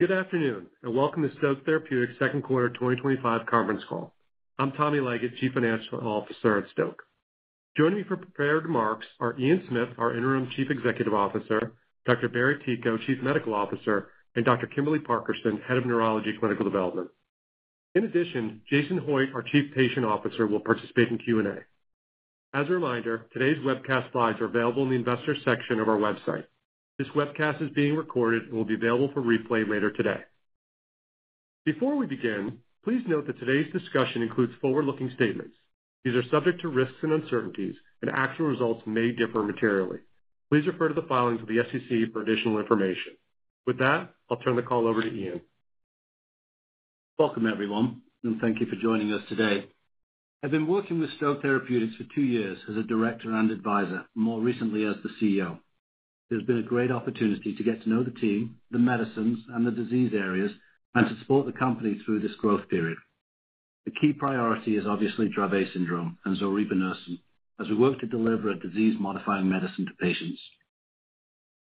Good afternoon and welcome to Stoke Therapeutics' Second Quarter 2025 Conference Call. I'm Tommy Leggett, Chief Financial Officer at Stoke. Joining me for prepared remarks are Ian Smith, our Interim Chief Executive Officer, Dr. Barry Ticho, Chief Medical Officer, and Dr. Kimberly Parkerson, Head of Neurology Clinical Development. In addition, Jason Hoitt, our Chief Patient Officer, will participate in Q&A. As a reminder, today's webcast slides are available in the Investor section of our website. This webcast is being recorded and will be available for replay later today. Before we begin, please note that today's discussion includes forward-looking statements. These are subject to risks and uncertainties, and actual results may differ materially. Please refer to the filings of the SEC for additional information. With that, I'll turn the call over to Ian. Welcome, everyone, and thank you for joining us today. I've been working with Stoke Therapeutics for two years as a Director and Advisor, more recently as the CEO. It has been a great opportunity to get to know the team, the medicines, and the disease areas, and to support the company through this growth period. The key priority is obviously Dravet Syndrome and zorevunersen, as we work to deliver a disease-modifying medicine to patients.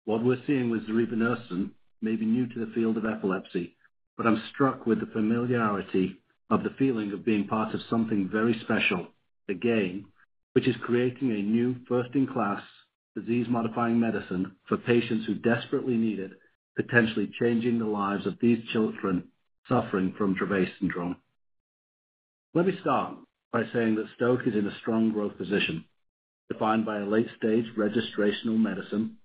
What we're seeing with zorevunersen may be new to the field of epilepsy, but I'm struck with the familiarity of the feeling of being part of something very special, a game, which is creating a new, first-in-class disease-modifying medicine for patients who desperately need it, potentially changing the lives of these children suffering from Dravet Syndrome. Let me start by saying that Stoke is in a strong growth position, defined by a late-stage registrational medicine,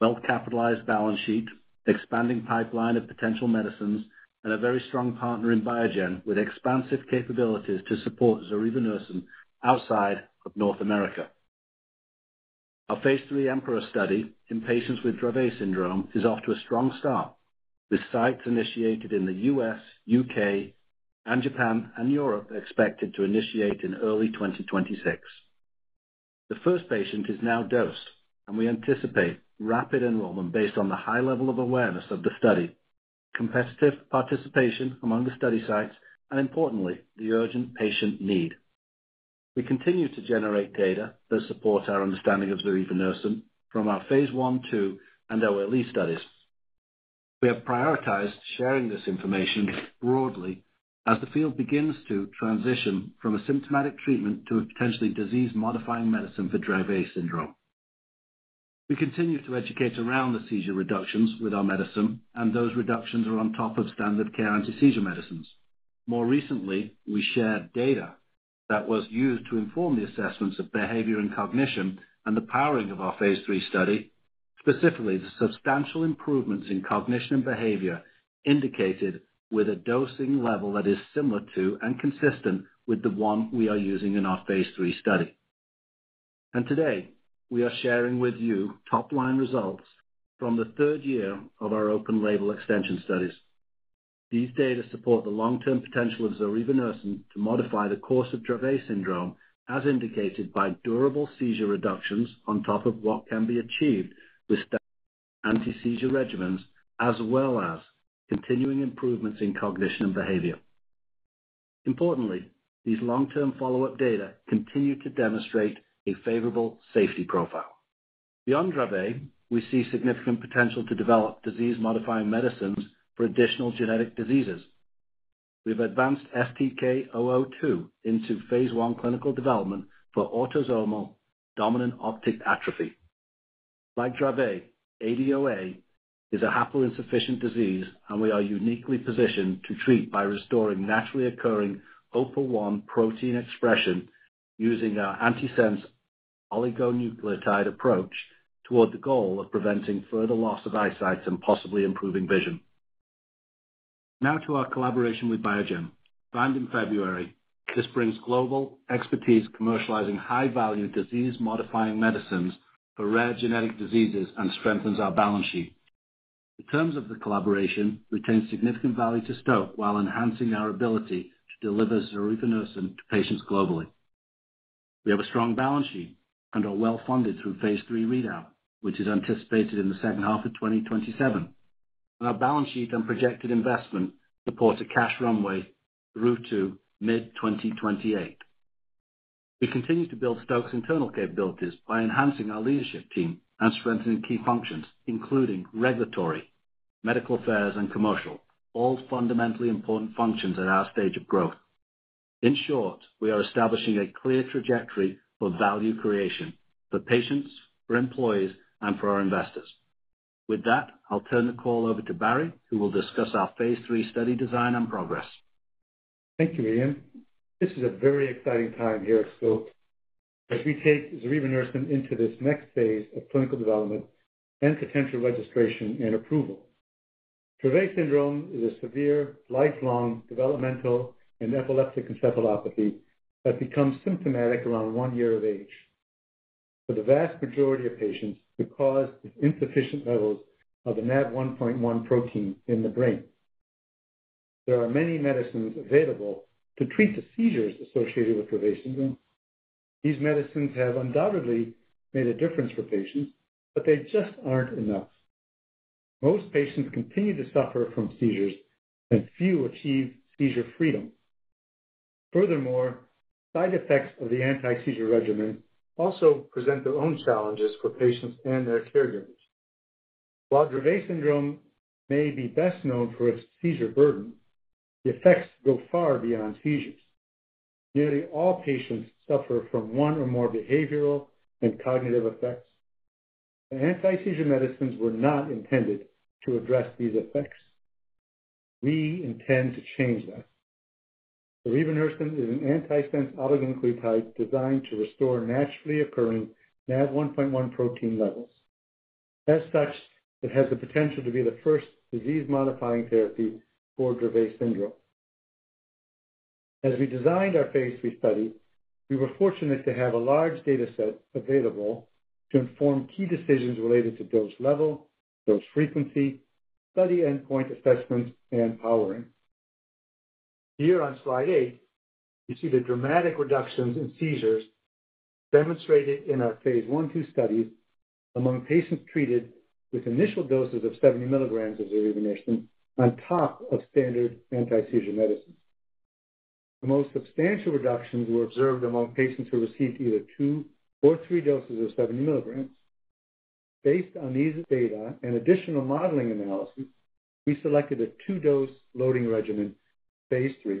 well-capitalized balance sheet, expanding pipeline of potential medicines, and a very strong partner in Biogen with expansive capabilities to support zorevunersen outside of North America. Our Phase III EMPEROR study in patients with Dravet Syndrome is off to a strong start, with sites initiated in the U.S., U.K., Japan, and Europe expected to initiate in early 2026. The first patient is now dosed, and we anticipate rapid enrollment based on the high level of awareness of the study, competitive participation among the study sites, and importantly, the urgent patient need. We continue to generate data that supports our understanding of zorevunersen from our Phase I/II, and OLE studies. We have prioritized sharing this information broadly as the field begins to transition from a symptomatic treatment to a potentially disease-modifying medicine for Dravet Syndrome. We continue to educate around the seizure reductions with our medicine, and those reductions are on top of standard care anti-seizure medicines. More recently, we shared data that was used to inform the assessments of behavior and cognition and the powering of our Phase III study, specifically the substantial improvements in cognition and behavior indicated with a dosing level that is similar to and consistent with the one we are using in our Phase III study. Today, we are sharing with you top-line results from the third year of our open-label extension studies. These data support the long-term potential of zorevunersen to modify the course of Dravet Syndrome as indicated by durable seizure reductions on top of what can be achieved with anti-seizure regimens, as well as continuing improvements in cognition and behavior. Importantly, these long-term follow-up data continue to demonstrate a favorable safety profile. Beyond Dravet, we see significant potential to develop disease-modifying medicines for additional genetic diseases. We've advanced STK002 into Phase I clinical development for autosomal dominant optic atrophy. Like Dravet, ADOA is a haploinsufficient disease, and we are uniquely positioned to treat by restoring naturally occurring OPA1 protein expression using our antisense oligonucleotide approach toward the goal of preventing further loss of eyesight and possibly improving vision. Now to our collaboration with Biogen, planned in February. This brings global expertise commercializing high-value disease-modifying medicines for rare genetic diseases and strengthens our balance sheet. The terms of the collaboration retain significant value to Stoke while enhancing our ability to deliver zorevunersen to patients globally. We have a strong balance sheet and are well-funded through Phase III readout, which is anticipated in the second half of 2027. Our balance sheet and projected investment support a cash runway through to mid-2028. We continue to build Stoke's internal capabilities by enhancing our leadership team and strengthening key functions, including regulatory, medical affairs, and commercial, all fundamentally important functions at our stage of growth. In short, we are establishing a clear trajectory for value creation for patients, for employees, and for our investors. With that, I'll turn the call over to Barry, who will discuss our Phase III study design and progress. Thank you, Ian. This is a very exciting time here at Stoke, as we take zorevunersen into this next phase of clinical development and potential registration and approval. Dravet Syndrome is a severe, lifelong, developmental, and epileptic encephalopathy that becomes symptomatic around one year of age. For the vast majority of patients, the cause is insufficient levels of the NaV1.1 protein in the brain. There are many medicines available to treat the seizures associated with Dravet Syndrome. These medicines have undoubtedly made a difference for patients, but they just aren't enough. Most patients continue to suffer from seizures, and few achieve seizure freedom. Furthermore, side effects of the anti-seizure regimen also present their own challenges for patients and their caregivers. While Dravet Syndrome may be best known for its seizure burden, the effects go far beyond seizures. Nearly all patients suffer from one or more behavioral and cognitive effects. The anti-seizure medicines were not intended to address these effects. We intend to change that. Zorevunersen is an antisense oligonucleotide designed to restore naturally occurring NaV1.1 protein levels. As such, it has the potential to be the first disease-modifying therapy for Dravet Syndrome. As we designed our Phase III study, we were fortunate to have a large dataset available to inform key decisions related to dose level, dose frequency, study endpoint assessments, and powering. Here on slide 8, you see the dramatic reductions in seizures demonstrated in our Phase I, II studies among patients treated with initial doses of 70 mg of zorevunersen on top of standard anti-seizure medicines. The most substantial reductions were observed among patients who received either two or three doses of 70 mg. Based on these data and additional modeling analysis, we selected a two-dose loading regimen, Phase III,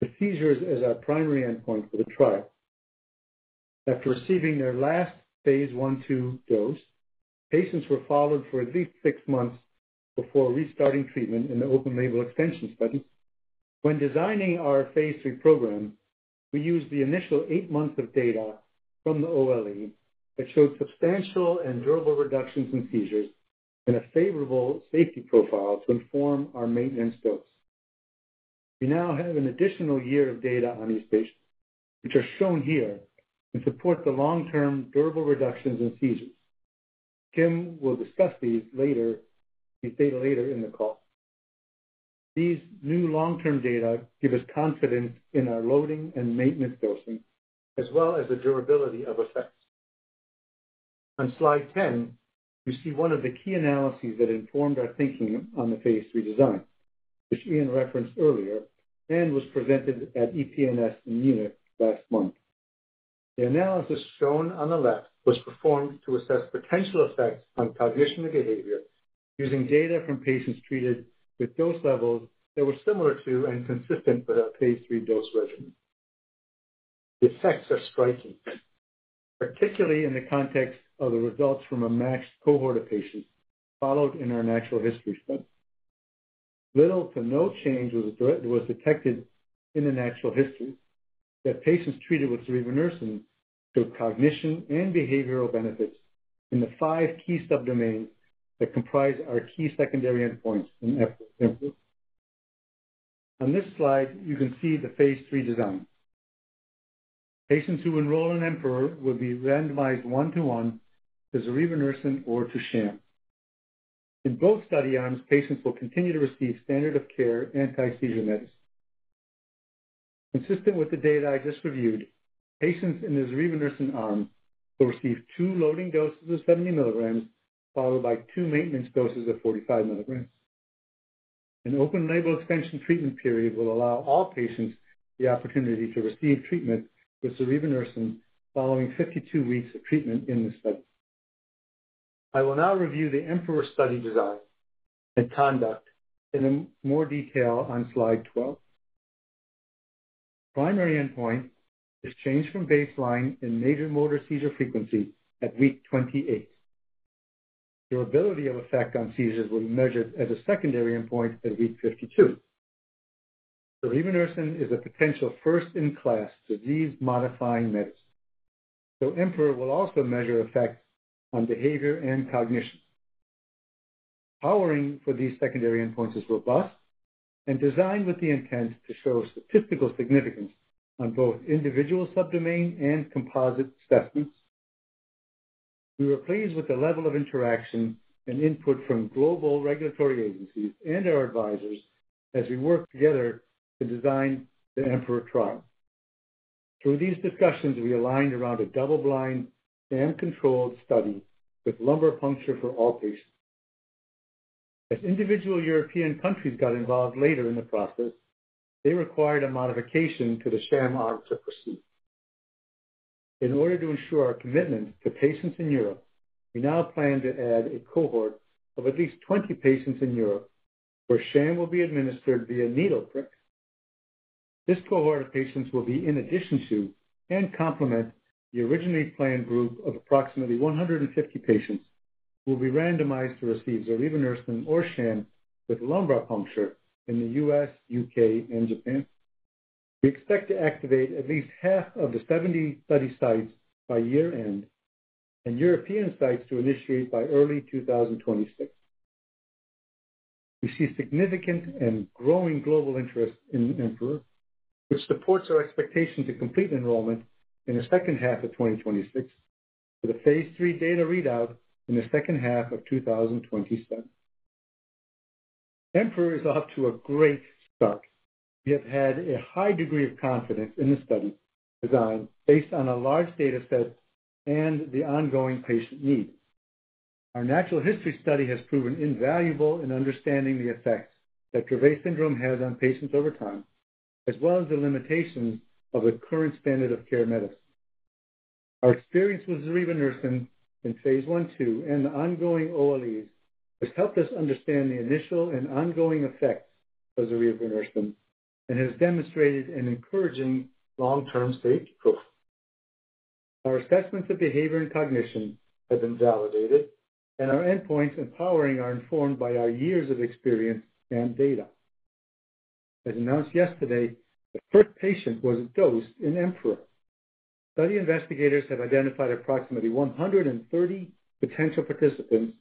with seizures as our primary endpoint for the trial. After receiving their last Phase I, II dose, patients were followed for at least six months before restarting treatment in the open-label extension study. When designing our Phase III program, we used the initial eight months of data from the OLE that showed substantial and durable reductions in seizures and a favorable safety profile to inform our maintenance dose. We now have an additional year of data on these patients, which are shown here and support the long-term durable reductions in seizures. Kim will discuss these data later in the call. These new long-term data give us confidence in our loading and maintenance dosing, as well as the durability of effects. On slide 10, you see one of the key analyses that informed our thinking on the Phase III design, which Ian referenced earlier and was presented at EPNS in Munich last month. The analysis shown on the left was performed to assess potential effects on cognition and behavior using data from patients treated with dose levels that were similar to and consistent with our Phase III dose regimen. The effects are striking, particularly in the context of the results from a matched cohort of patients followed in our natural history study. Little to no change was detected in the natural history, but patients treated with zorevunersen showed cognition and behavioral benefits in the five key subdomains that comprise our key secondary endpoints in EPILER and EMPEROR. On this slide, you can see the Phase III design. Patients who enroll in EMPEROR would be randomized one-to-one to zorevunersen or to SHAM. In both study arms, patients will continue to receive standard-of-care anti-seizure medicine. Consistent with the data I just reviewed, patients in the zorevunersen arm will receive two loading doses of 70 mg, followed by two maintenance doses of 45 mg. An open-label extension treatment period will allow all patients the opportunity to receive treatment with zorevunersen following 52 weeks of treatment in this study. I will now review the EMPEROR study design and conduct in more detail on slide 12. The primary endpoint is change from baseline in major motor seizure frequency at week 28. Durability of effect on seizures will be measured as a secondary endpoint at week 52. Zorevunersen is a potential first-in-class disease-modifying medicine, so EMPEROR will also measure effects on behavior and cognition. Powering for these secondary endpoints is robust and designed with the intent to show statistical significance on both individual subdomain and composite specimens. We were pleased with the level of interaction and input from global regulatory agencies and our advisors as we worked together to design the EMPEROR trial. Through these discussions, we aligned around a double-blind and controlled study with lumbar puncture for all patients. As individual European countries got involved later in the process, they required a modification to the SHAM arm to proceed. In order to ensure our commitment to patients in Europe, we now plan to add a cohort of at least 20 patients in Europe where SHAM will be administered via needle drip. This cohort of patients will be in addition to and complement the originally planned group of approximately 150 patients who will be randomized to receive zorevunersen or SHAM with lumbar puncture in the U.S., U.K., and Japan. We expect to activate at least half of the 70 study sites by year-end and European sites to initiate by early 2026. We see significant and growing global interest in EMPEROR, which supports our expectation to complete enrollment in the second half of 2026 with a Phase III data readout in the second half of 2027. EMPEROR is off to a great start. We have had a high degree of confidence in the study design based on a large dataset and the ongoing patient need. Our natural history study has proven invaluable in understanding the effects that Dravet Syndrome has on patients over time, as well as the limitation of the current standard-of-care medicine. Our experience with zorevunersen in Phase I/II, and the ongoing OLE has helped us understand the initial and ongoing effects of zorevunersen and has demonstrated an encouraging long-term safety profile. Our assessments of behavior and cognition have been validated, and our endpoints and powering are informed by our years of experience and data. As announced yesterday, the first patient was dosed in EMPEROR. Study investigators have identified approximately 130 potential participants,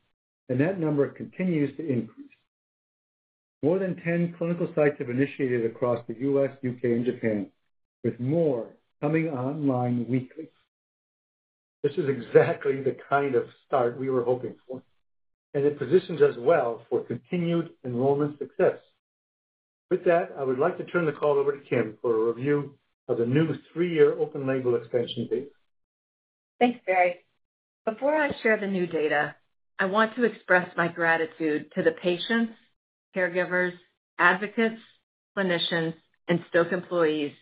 and that number continues to increase. More than 10 clinical sites have initiated across the U.S., U.K., and Japan, with more coming online weekly. This is exactly the kind of start we were hoping for, and it positions us well for continued enrollment success. With that, I would like to turn the call over to Kim for a review of the new three-year open-label extension data. Thanks, Barry. Before I share the new data, I want to express my gratitude to the patients, caregivers, advocates, clinicians, and Stoke employees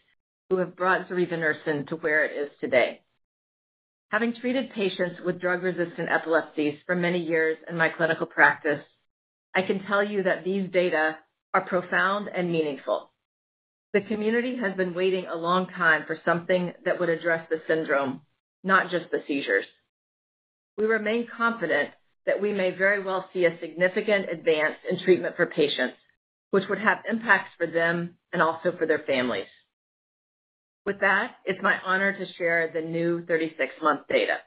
who have brought zorevunersen to where it is today. Having treated patients with drug-resistant epilepsies for many years in my clinical practice, I can tell you that these data are profound and meaningful. The community has been waiting a long time for something that would address the syndrome, not just the seizures. We remain confident that we may very well see a significant advance in treatment for patients, which would have impacts for them and also for their families. With that, it's my honor to share the new 36-month data.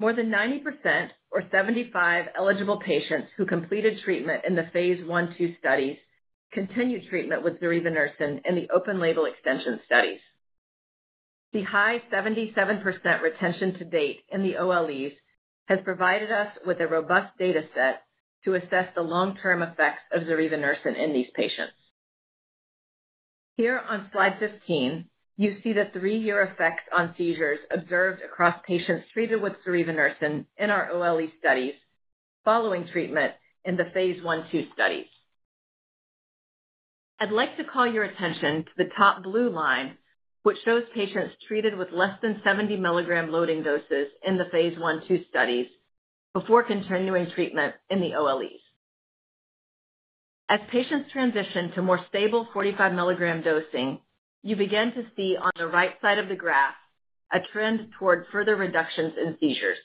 More than 90% or 75 eligible patients who completed treatment in the Phase I/II studies continue treatment with zorevunersen in the open-label extension studies. The high 77% retention to date in the OLEs has provided us with a robust dataset to assess the long-term effects of zorevunersen in these patients. Here on slide 15, you see the three-year effects on seizures observed across patients treated with zorevunersen in our OLE studies following treatment in the Phase I/II studies. I'd like to call your attention to the top blue line, which shows patients treated with less than 70 mg loading doses in the Phase I/II studies before continuing treatment in the OLEs. As patients transition to more stable 45 mg dosing, you begin to see on the right side of the graph a trend toward further reductions in seizures.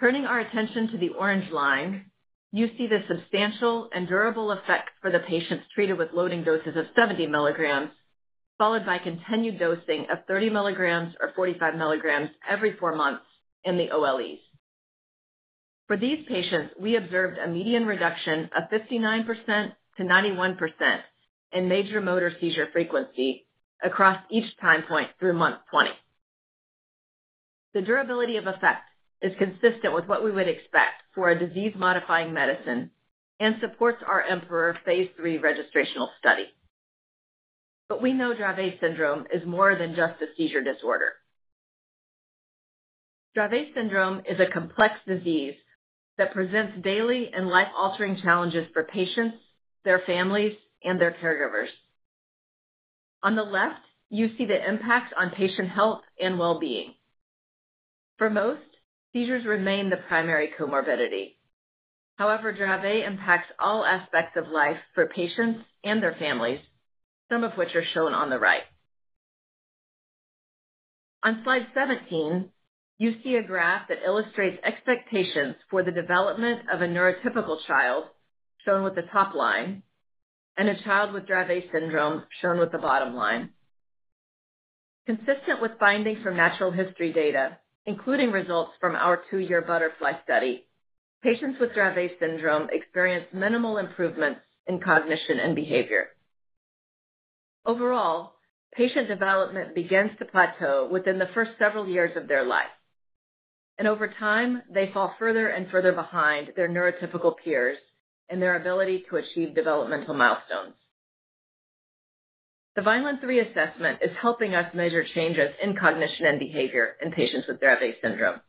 Turning our attention to the orange line, you see the substantial and durable effect for the patients treated with loading doses of 70 mg, followed by continued dosing of 30 mg or 45 mg every four months in the OLEs. For these patients, we observed a median reduction of 59%-91% in major motor seizure frequency across each time point through month 20. The durability of effect is consistent with what we would expect for a disease-modifying medicine and supports our EMPEROR Phase III registrational study. We know Dravet Syndrome is more than just a seizure disorder. Dravet Syndrome is a complex disease that presents daily and life-altering challenges for patients, their families, and their caregivers. On the left, you see the impact on patient health and well-being. For most, seizures remain the primary comorbidity. However, Dravet impacts all aspects of life for patients and their families, some of which are shown on the right. On slide 17, you see a graph that illustrates expectations for the development of a neurotypical child shown with the top line and a child with Dravet Syndrome shown with the bottom line. Consistent with findings from natural history data, including results from our two-year BUTTERFLY study, patients with Dravet Syndrome experience minimal improvement in cognition and behavior. Overall, patient development begins to plateau within the first several years of their life, and over time, they fall further and further behind their neurotypical peers in their ability to achieve developmental milestones. The Vineland-3 assessment is helping us measure changes in cognition and behavior in patients with Dravet Syndrome.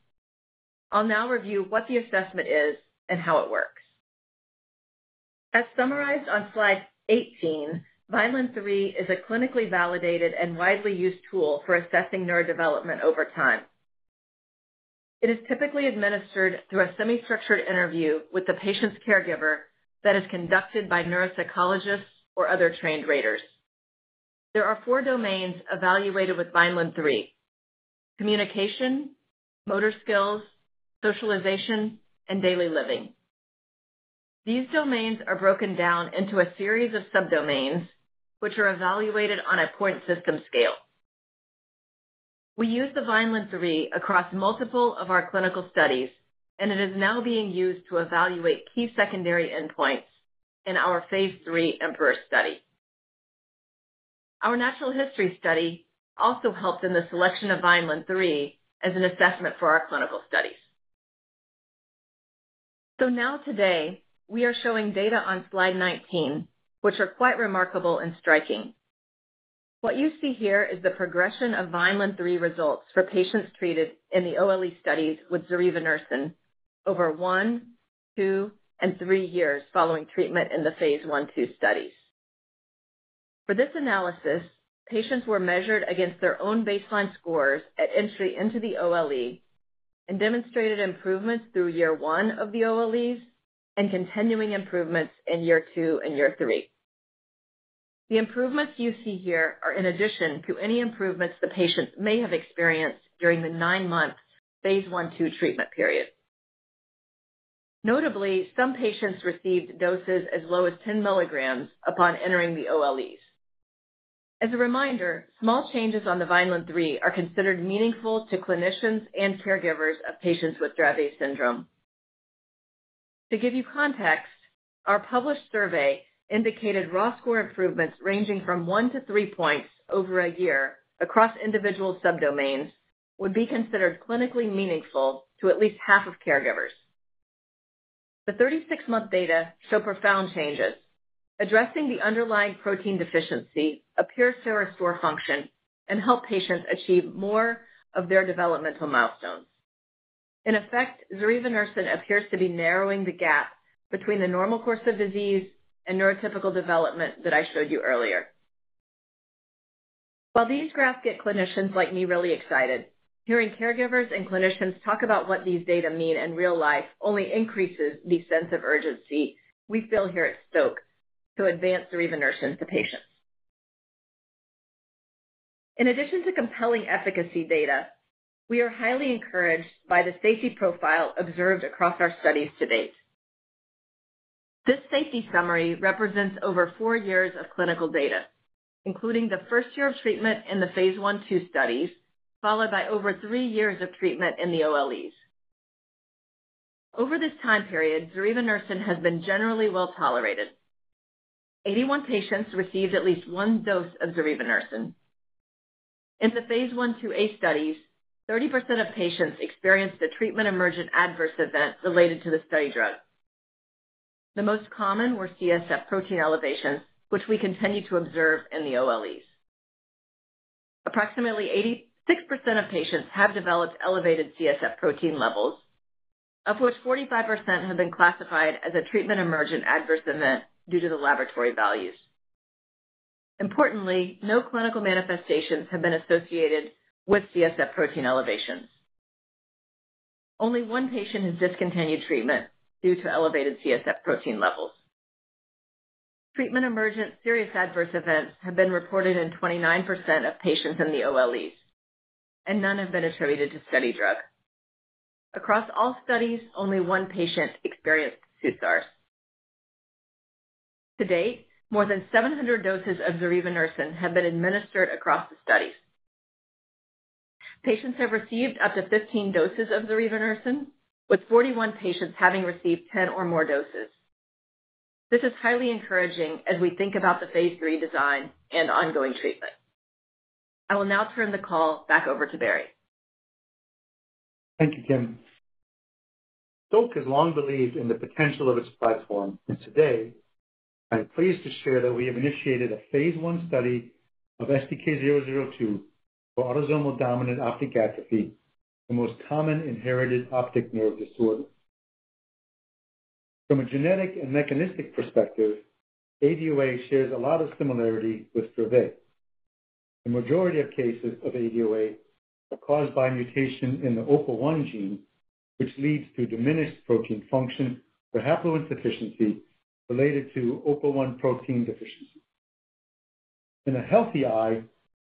I'll now review what the assessment is and how it works. As summarized on slide 18, Vineland-3 is a clinically validated and widely used tool for assessing neurodevelopment over time. It is typically administered through a semi-structured interview with the patient's caregiver that is conducted by neuropsychologists or other trained raters. There are four domains evaluated with Vineland-3: communication, motor skills, socialization, and daily living. These domains are broken down into a series of subdomains, which are evaluated on a point system scale. We use the Vineland-3 across multiple of our clinical studies, and it is now being used to evaluate key secondary endpoints in our Phase III EMPEROR study. Our natural history study also helped in the selection of Vineland-3 as an assessment for our clinical studies. Today, we are showing data on slide 19, which are quite remarkable and striking. What you see here is the progression of Vineland-3 results for patients treated in the OLE studies with zorevunersen over one, two, and three years following treatment in the Phase I/II studies. For this analysis, patients were measured against their own baseline scores at entry into the OLE and demonstrated improvements through year one of the OLEs and continuing improvements in year two and year three. The improvements you see here are in addition to any improvements the patient may have experienced during the nine-month Phase I/II treatment period. Notably, some patients received doses as low as 10 mg upon entering the OLEs. As a reminder, small changes on the Vineland-3 are considered meaningful to clinicians and caregivers of patients with Dravet Syndrome. To give you context, our published survey indicated raw score improvements ranging from one to three points over a year across individual subdomains would be considered clinically meaningful to at least half of caregivers. The 36-month data show profound changes, addressing the underlying protein deficiency, appears to restore function and help patients achieve more of their developmental milestones. In effect, zorevunersen appears to be narrowing the gap between the normal course of disease and neurotypical development that I showed you earlier. While these graphs get clinicians like me really excited, hearing caregivers and clinicians talk about what these data mean in real life only increases the sense of urgency we feel here at Stoke Therapeutics to advance zorevunersen to patients. In addition to compelling efficacy data, we are highly encouraged by the safety profile observed across our studies to date. This safety summary represents over four years of clinical data, including the first year of treatment in the PhaseI/II studies, followed by over three years of treatment in the OLEs. Over this time period, zorevunersen has been generally well tolerated. Eighty-one patients received at least one dose of zorevunersen. In the Phase I/II-A studies, 30% of patients experienced a treatment-emergent adverse event related to the study drug. The most common were CSF protein elevations, which we continue to observe in the OLEs. Approximately 86% of patients have developed elevated CSF protein levels, of which 45% have been classified as a treatment-emergent adverse event due to the laboratory values. Importantly, no clinical manifestations have been associated with CSF protein elevations. Only one patient has discontinued treatment due to elevated CSF protein levels. Treatment-emergent serious adverse events have been reported in 29% of patients in the OLEs, and none have been attributed to study drug. Across all studies, only one patient experienced SUDEP. To date, more than 700 doses of zorevunersen have been administered across the studies. Patients have received up to 15 doses of zorevunersen, with 41 patients having received 10 or more doses. This is highly encouraging as we think about the Phase III design and ongoing treatment. I will now turn the call back over to Barry. Thank you, Kim. Stoke has long believed in the potential of its platform, and today I'm pleased to share that we have initiated a Phase I study of STK002, autosomal dominant optic atrophy, the most common inherited optic nerve disorder. From a genetic and mechanistic perspective, ADOA shares a lot of similarity with Dravet. The majority of cases of ADOA are caused by a mutation in the OPA1 gene, which leads to diminished protein function or haploinsufficiency related to OPA1 protein deficiency. In a healthy eye,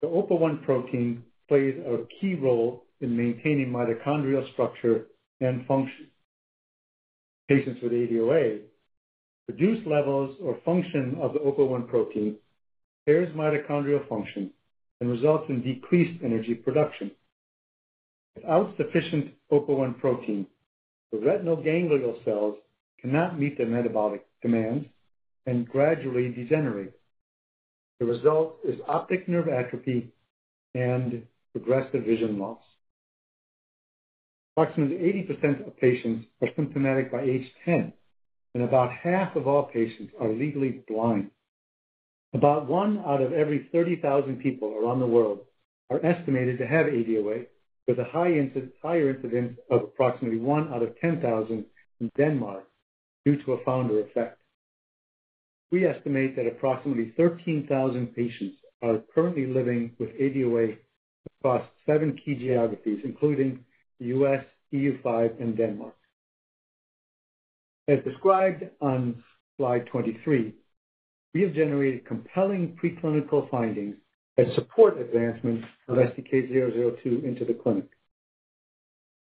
the OPA1 protein plays a key role in maintaining mitochondrial structure and function. Patients with ADOA reduce levels or function of the OPA1 protein, impairs mitochondrial function, and results in decreased energy production. Without sufficient OPA1 protein, the retinal ganglion cells cannot meet their metabolic demands and gradually degenerate. The result is optic nerve atrophy and progressive vision loss. Approximately 80% of patients are symptomatic by age 10, and about half of all patients are legally blind. About one out of every 30,000 people around the world are estimated to have ADOA, with a higher incidence of approximately one out of 10,000 in Denmark due to a founder effect. We estimate that approximately 13,000 patients are currently living with ADOA across seven key geographies, including the U.S., EU, and Denmark. As described on slide 23, we have generated compelling preclinical findings that support advancement of STK002 into the clinic.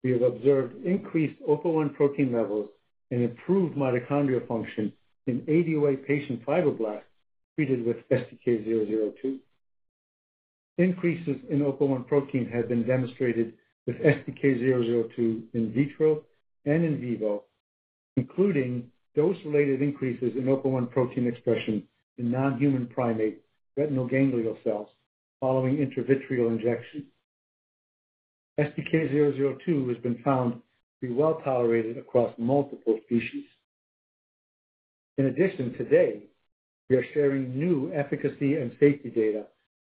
We have observed increased OPA1 protein levels and improved mitochondrial function in ADOA patient fibroblasts treated with STK002. Increases in OPA1 protein have been demonstrated with STK002 in vitro and in vivo, including dose-related increases in OPA1 protein expression in non-human primate retinal ganglion cells following intravitreal injection. STK002 has been found to be well tolerated across multiple species. In addition, today we are sharing new efficacy and safety data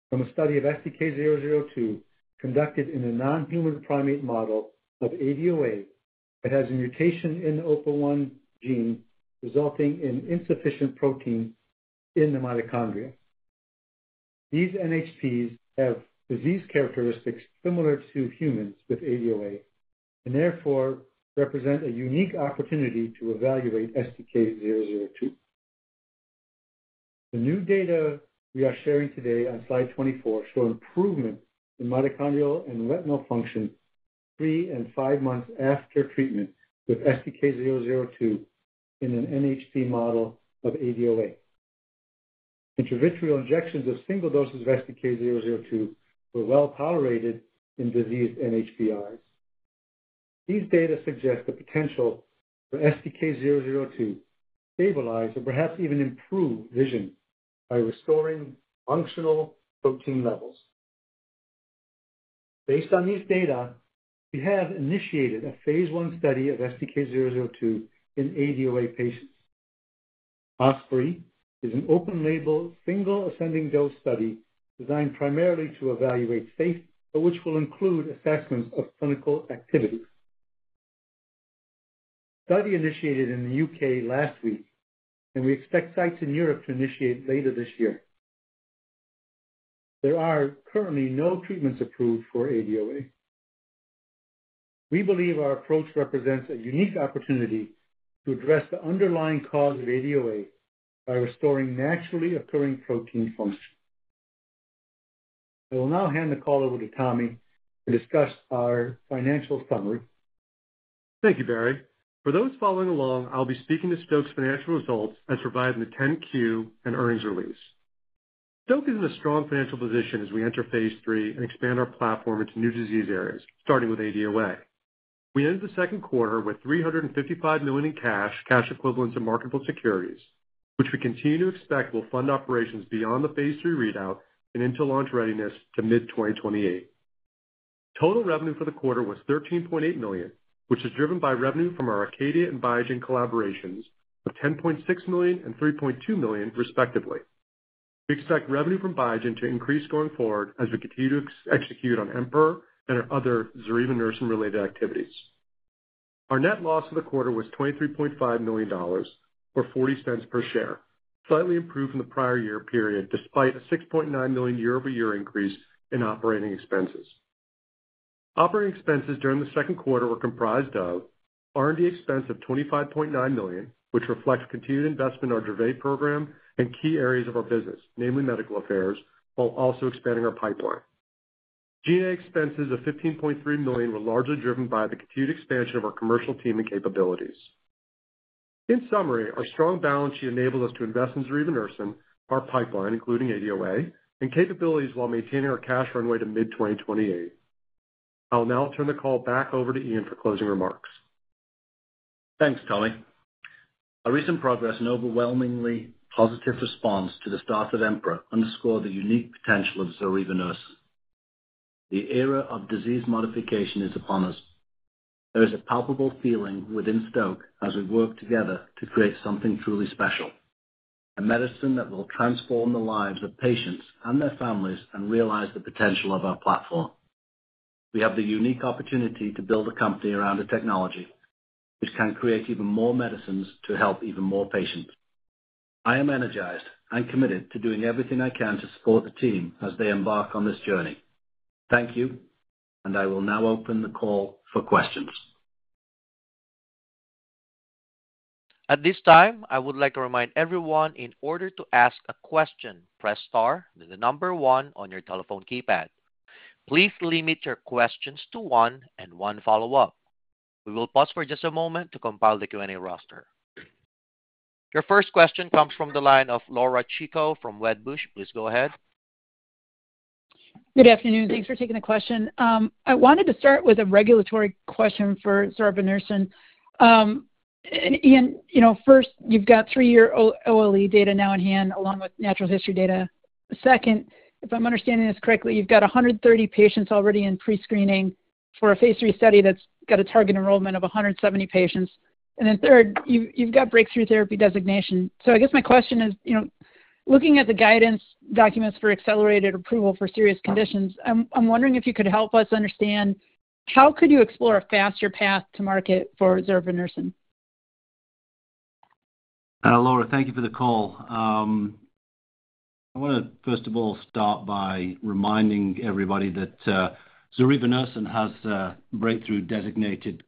from a study of STK002 conducted in a non-human primate model of ADOA that has a mutation in the OPA1 gene, resulting in insufficient protein in the mitochondria. These NHPs have disease characteristics similar to humans with ADOA and therefore represent a unique opportunity to evaluate STK002. The new data we are sharing today on slide 24 show improvement in mitochondrial and retinal function three and five months after treatment with STK002 in an NHP model of ADOA. Intravitreal injections of single doses of STK002 were well tolerated in disease NHP eyes. These data suggest the potential for STK002 to stabilize or perhaps even improve vision by restoring functional protein levels. Based on these data, we have initiated a Phase I study of STK002 in ADOA patients. Ours is an open-label single ascending dose study designed primarily to evaluate safety, which will include assessments of clinical activity. The study initiated in the U.K. last week, and we expect sites in Europe to initiate later this year. There are currently no treatments approved for ADOA. We believe our approach represents a unique opportunity to address the underlying cause of ADOA by restoring naturally occurring protein function. I will now hand the call over to Tommy to discuss our financial summary. Thank you, Barry. For those following along, I'll be speaking to Stoke's financial results and providing the 10-Q and earnings release. Stoke is in a strong financial position as we enter Phase III and expand our platform into new disease areas, starting with ADOA. We end the second quarter with $355 million in cash, cash equivalents, and marketable securities, which we continue to expect will fund operations beyond the Phase III readout and into launch readiness to mid-2028. Total revenue for the quarter was $13.8 million, which is driven by revenue from our Arcadia and Biogen collaborations, $10.6 million and $3.2 million, respectively. We expect revenue from Biogen to increase going forward as we continue to execute on EMPEROR and our other zorevunersen-related activities. Our net loss for the quarter was $23.5 million or $0.40 per share, slightly improved from the prior year period, despite a $6.9 million year-over-year increase in operating expenses. Operating expenses during the second quarter were comprised of R&D expense of $25.9 million, which reflects continued investment in our Dravet program and key areas of our business, namely medical affairs, while also expanding our pipeline. G&A expenses of $15.3 million were largely driven by the continued expansion of our commercial team and capabilities. In summary, our strong balance sheet enabled us to invest in zorevunersen, our pipeline, including ADOA, and capabilities while maintaining our cash runway to mid-2028. I'll now turn the call back over to Ian for closing remarks. Thanks, Tommy. Our recent progress and overwhelmingly positive response to the start of EMPEROR underscore the unique potential of zorevunersen. The era of disease modification is upon us. There is a palpable feeling within Stoke as we work together to create something truly special, a medicine that will transform the lives of patients and their families and realize the potential of our platform. We have the unique opportunity to build a company around a technology which can create even more medicines to help even more patients. I am energized and committed to doing everything I can to support the team as they embark on this journey. Thank you, and I will now open the call for questions. At this time, I would like to remind everyone, in order to ask a question, press star with the number one on your telephone keypad. Please limit your questions to one and one follow-up. We will pause for just a moment to compile the Q&A roster. Your first question comes from the line of Laura Chico from Wedbush. Please go ahead. Good afternoon. Thanks for taking the question. I wanted to start with a regulatory question for zorevunersen. Ian, first, you've got three-year OLE data now in hand, along with natural history data. Second, if I'm understanding this correctly, you've got 130 patients already in prescreening for a Phase III study that's got a target enrollment of 170 patients. Third, you've got breakthrough therapy designation. I guess my question is, looking at the guidance documents for accelerated approval for serious conditions, I'm wondering if you could help us understand how you could explore a faster path to market for zorevunersen? Laura, thank you for the call. I want to, first of all, start by reminding everybody that zorevunersen has a breakthrough therapy designation.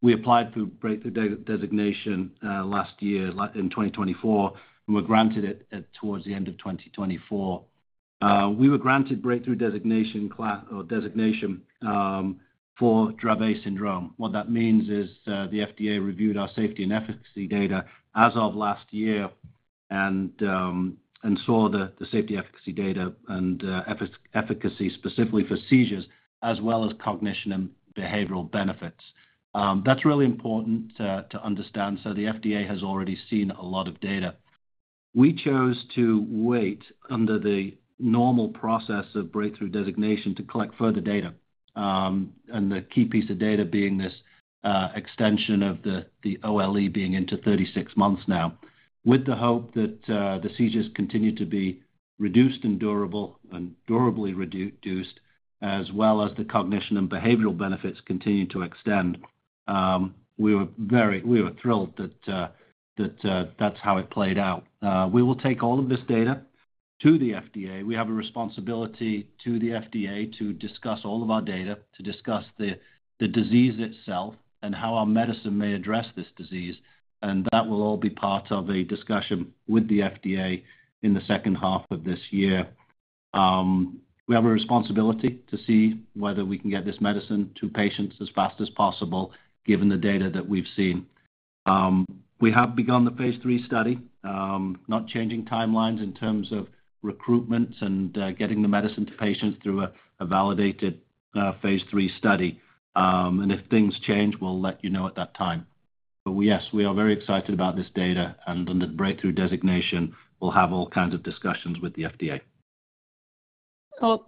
We applied for breakthrough therapy designation last year in 2024, and we were granted it towards the end of 2024. We were granted breakthrough therapy designation for Dravet Syndrome. What that means is the FDA reviewed our safety and efficacy data as of last year and saw the safety and efficacy data and efficacy specifically for seizures, as well as cognition and behavioral benefits. That's really important to understand. The FDA has already seen a lot of data. We chose to wait under the normal process of breakthrough therapy designation to collect further data, and the key piece of data being this extension of the OLE being into 36 months now, with the hope that the seizures continue to be reduced and durably reduced, as well as the cognition and behavioral benefits continue to extend. We were thrilled that that's how it played out. We will take all of this data to the FDA. We have a responsibility to the FDA to discuss all of our data, to discuss the disease itself, and how our medicine may address this disease. That will all be part of a discussion with the FDA in the second half of this year. We have a responsibility to see whether we can get this medicine to patients as fast as possible, given the data that we've seen. We have begun the Phase III study, not changing timelines in terms of recruitments and getting the medicine to patients through a validated Phase III study. If things change, we'll let you know at that time. Yes, we are very excited about this data, and under the breakthrough therapy designation, we'll have all kinds of discussions with the FDA.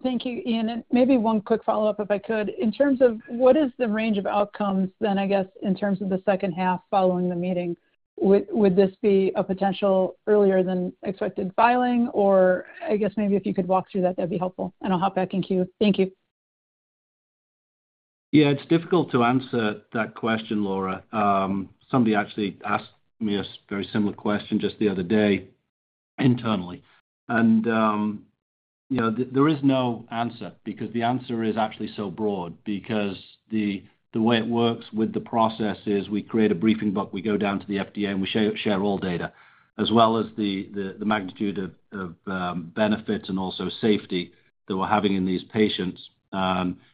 Thank you, Ian. Maybe one quick follow-up, if I could. In terms of what is the range of outcomes then, I guess in terms of the second half following the meeting, would this be a potential earlier than expected filing? I guess maybe if you could walk through that, that'd be helpful. I'll hop back in queue. Thank you. Yeah, it's difficult to answer that question, Laura. Somebody actually asked me a very similar question just the other day internally. There is no answer because the answer is actually so broad, because the way it works with the process is we create a briefing book, we go down to the FDA, and we share all data, as well as the magnitude of benefits and also safety that we're having in these patients.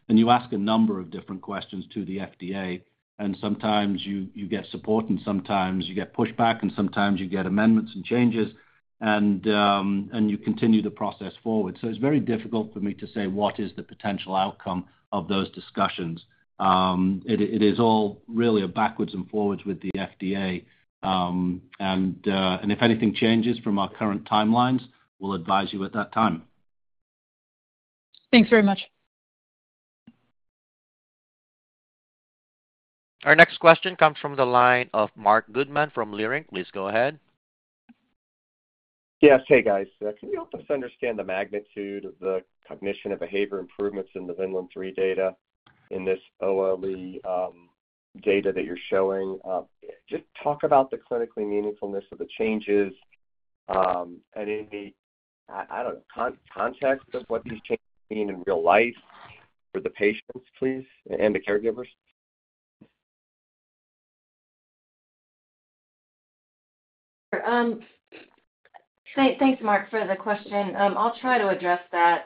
You ask a number of different questions to the FDA, and sometimes you get support, sometimes you get pushback, and sometimes you get amendments and changes, and you continue the process forward. It's very difficult for me to say what is the potential outcome of those discussions. It is all really a backwards and forwards with the FDA. If anything changes from our current timelines, we'll advise you at that time. Thanks very much. Our next question comes from the line of Mark Goodman from Leerink. Please go ahead. Yes, hey guys. Can you help us understand the magnitude of the cognition and behavior improvements in the Vineland-3 data in this OLE data that you're showing? Just talk about the clinically meaningfulness of the changes and any, I don't know, context of what these changes mean in real life for the patients, please, and the caregivers. Thanks, Mark, for the question. I'll try to address that.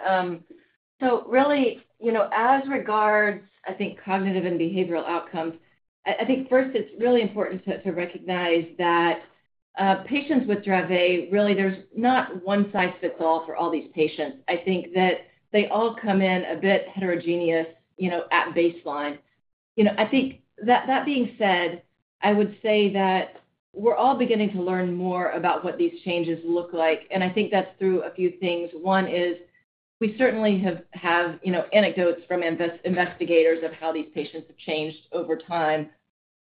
As regards, I think, cognitive and behavioral outcomes, first it's really important to recognize that patients with Dravet Syndrome, really, there's not one size fits all for all these patients. They all come in a bit heterogeneous at baseline. That being said, I would say that we're all beginning to learn more about what these changes look like. I think that's through a few things. One is we certainly have anecdotes from investigators of how these patients have changed over time.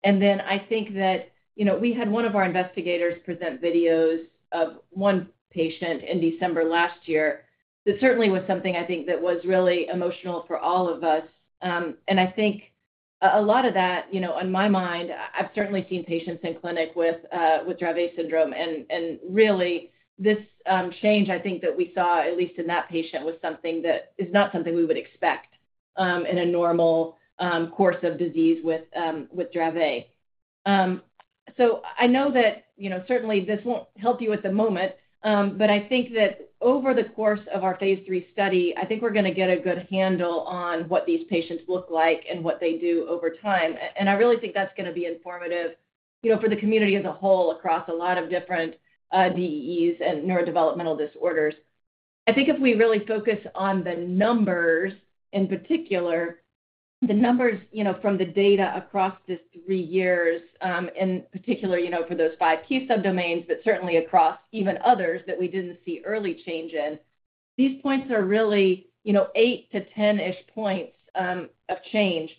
I think that we had one of our investigators present videos of one patient in December last year. That certainly was something that was really emotional for all of us. A lot of that, on my mind, I've certainly seen patients in clinic with Dravet Syndrome. This change, that we saw, at least in that patient, was something that is not something we would expect in a normal course of disease with Dravet. I know that this won't help you at the moment, but over the course of our Phase III study, I think we're going to get a good handle on what these patients look like and what they do over time. I really think that's going to be informative for the community as a whole across a lot of different DEs and neurodevelopmental disorders. If we really focus on the numbers in particular, the numbers from the data across these three years, in particular for those five key subdomains, but certainly across even others that we didn't see early change in, these points are really eight to ten-ish points of change.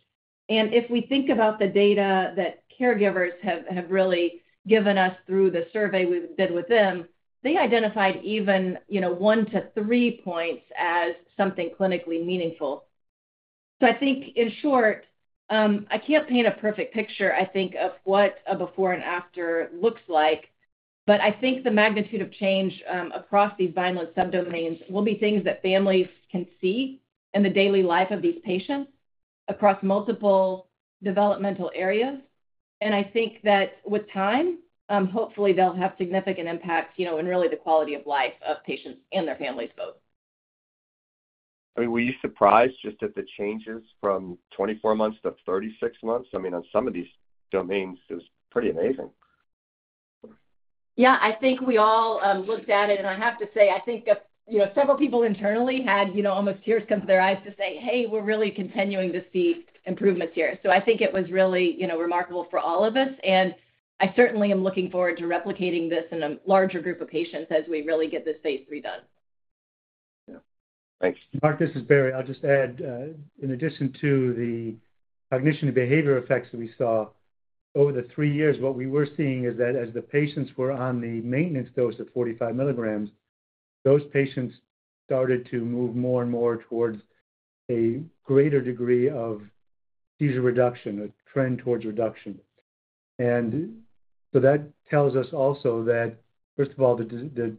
If we think about the data that caregivers have really given us through the survey we did with them, they identified even one to three points as something clinically meaningful. In short, I can't paint a perfect picture of what a before and after looks like. The magnitude of change across these Vineland-3 subdomains will be things that families can see in the daily life of these patients across multiple developmental areas. With time, hopefully they'll have significant impacts in the quality of life of patients and their families both. I mean, were you surprised just at the changes from 24 months to 36 months? I mean, on some of these domains, it was pretty amazing. I think we all looked at it. I have to say, I think several people internally had almost tears come to their eyes to say, hey, we're really continuing to see improvements here. I think it was really remarkable for all of us. I certainly am looking forward to replicating this in a larger group of patients as we really get this Phase III done. Yeah, thanks. Mark, this is Barry. I'll just add, in addition to the cognition and behavior effects that we saw over the three years, what we were seeing is that as the patients were on the maintenance dose of 45 mg, those patients started to move more and more towards a greater degree of seizure reduction, a trend towards reduction. That tells us also that, first of all, the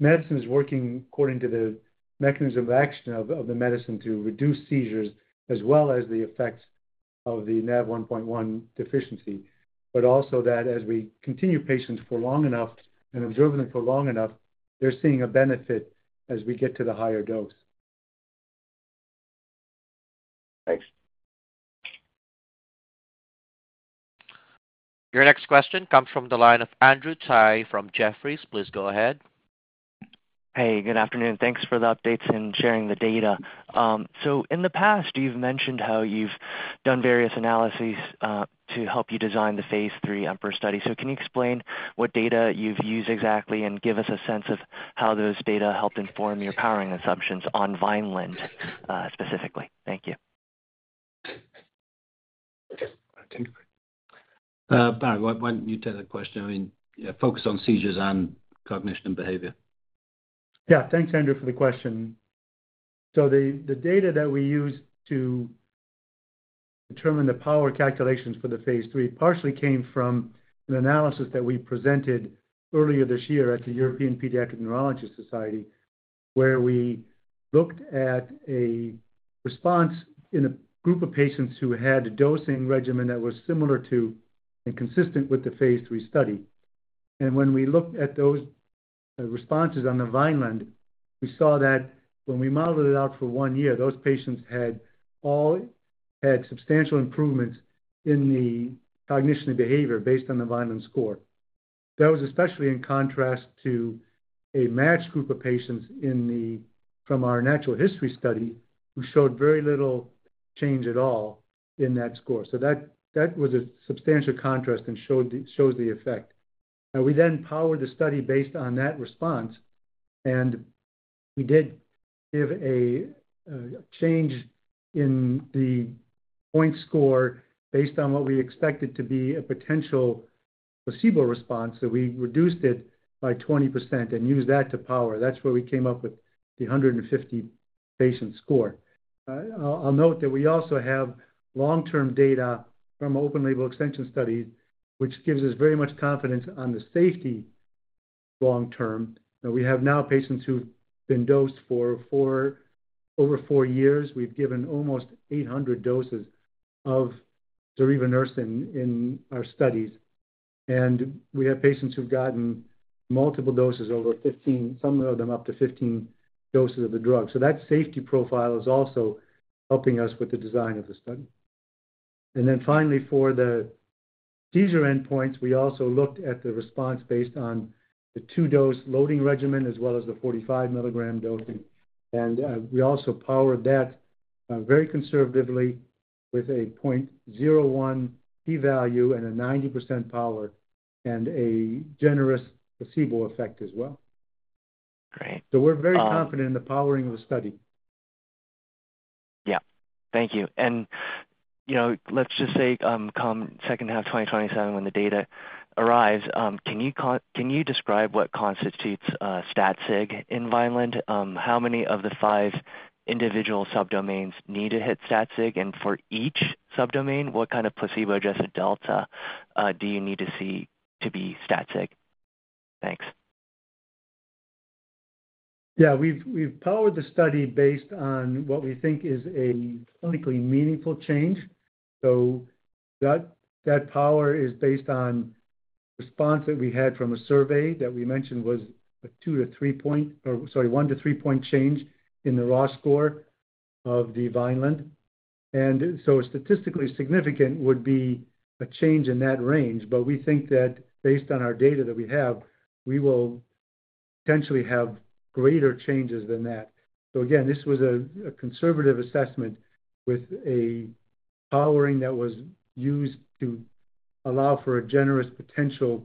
medicine is working according to the mechanism of action of the medicine to reduce seizures, as well as the effects of the NaV1.1 deficiency. Also, as we continue patients for long enough and observe them for long enough, they're seeing a benefit as we get to the higher dose. Thanks. Your next question comes from the line of Andrew Tsai from Jefferies. Please go ahead. Hey, good afternoon. Thanks for the updates and sharing the data. In the past, you've mentioned how you've done various analyses to help you design the Phase III EMPEROR study. Can you explain what data you've used exactly and give us a sense of how those data helped inform your powering assumptions on Vineland specifically? Thank you. Barry, why don't you take that question? I mean, yeah, focus on seizures and cognition and behavior. Yeah, thanks, Andrew, for the question. The data that we used to determine the power calculations for the Phase III partially came from an analysis that we presented earlier this year at the European Pediatric Neurology Society, where we looked at a response in a group of patients who had a dosing regimen that was similar to and consistent with the Phase III study. When we looked at those responses on the Vineland, we saw that when we modeled it out for one year, those patients had all had substantial improvements in the cognition and behavior based on the Vineland score. That was especially in contrast to a matched group of patients from our natural history study, who showed very little change at all in that score. That was a substantial contrast and shows the effect. We then powered the study based on that response. We did give a change in the point score based on what we expected to be a potential placebo response. We reduced it by 20% and used that to power. That's where we came up with the 150 patient score. I'll note that we also have long-term data from open-label extension studies, which gives us very much confidence on the safety long term. We have now patients who've been dosed for over four years. We've given almost 800 doses of zorevunersen in our studies. We have patients who've gotten multiple doses, some of them up to 15 doses of the drug. That safety profile is also helping us with the design of the study. Finally, for the seizure endpoints, we also looked at the response based on the two-dose loading regimen, as well as the 45 mg dosing. We also powered that very conservatively with a 0.01 p-value and a 90% power and a generous placebo effect as well. Great. We are very confident in the powering of the study. Thank you. Let's just say come second half 2027 when the data arrives, can you describe what constitutes statsig in Vineland? How many of the five individual subdomains need to hit STAT-CIG? For each subdomain, what kind of placebo-adjusted delta do you need to see to be statsig? Thanks. Yeah, we've powered the study based on what we think is a clinically meaningful change. That power is based on the response that we had from a survey that we mentioned was a one to three point change in the raw score of the Vineland. Statistically significant would be a change in that range. We think that based on our data that we have, we will potentially have greater changes than that. This was a conservative assessment with a powering that was used to allow for a generous potential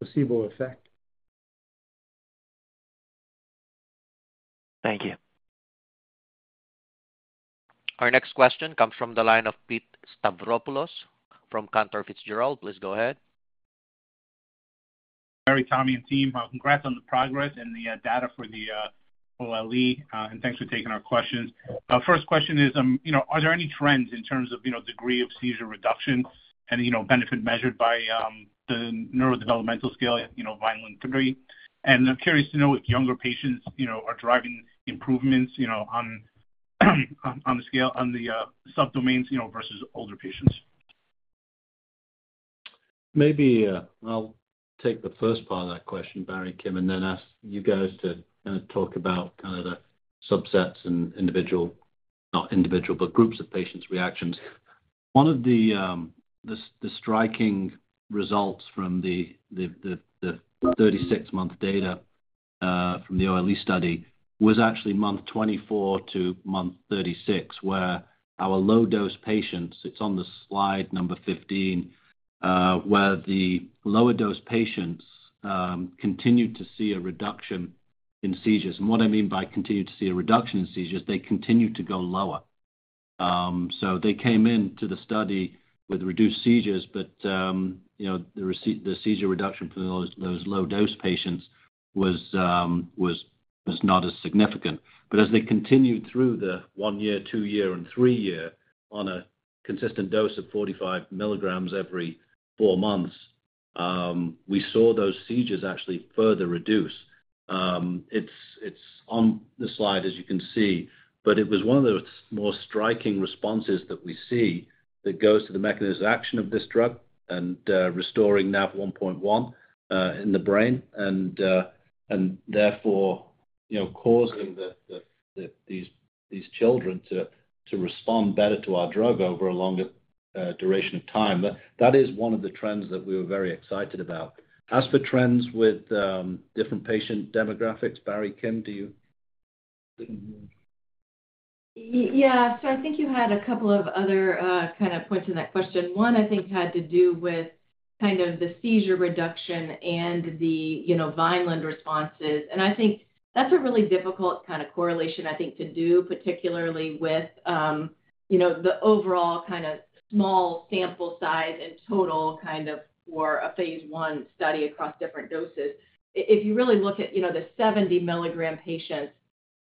placebo effect. Thank you. Our next question comes from the line of Pete Stavropoulos from Cantor Fitzgerald. Please go ahead. Barry, Tommy, and team, congrats on the progress and the data for the OLE, and thanks for taking our questions. Our first question is, are there any trends in terms of degree of seizure reduction and benefit measured by the neurodevelopmental scale, Vineland-3? I'm curious to know if younger patients are driving improvements on the scale on the subdomains versus older patients. Maybe I'll take the first part of that question, Barry, Kim, and then ask you guys to kind of talk about the subsets and individual, not individual, but groups of patients' reactions. One of the striking results from the 36-month data from the OLE study was actually month 24 to month 36, where our low-dose patients, it's on slide number 15, where the lower-dose patients continued to see a reduction in seizures. What I mean by continue to see a reduction in seizures, they continued to go lower. They came into the study with reduced seizures, but the seizure reduction from those low-dose patients was not as significant. As they continued through the one-year, two-year, and three-year on a consistent dose of 45 mg every four months, we saw those seizures actually further reduce. It's on the slide, as you can see, but it was one of the more striking responses that we see that goes to the mechanism of action of this drug and restoring NAV1.1 in the brain and therefore, you know, causing these children to respond better to our drug over a longer duration of time. That is one of the trends that we were very excited about. As for trends with different patient demographics, Barry, Kim, do you? Yeah, I think you had a couple of other kind of points in that question. One, I think, had to do with the seizure reduction and the Vineland responses. I think that's a really difficult kind of correlation to do, particularly with the overall kind of small sample size and total for a Phase I study across different doses. If you really look at the 70 mg patients,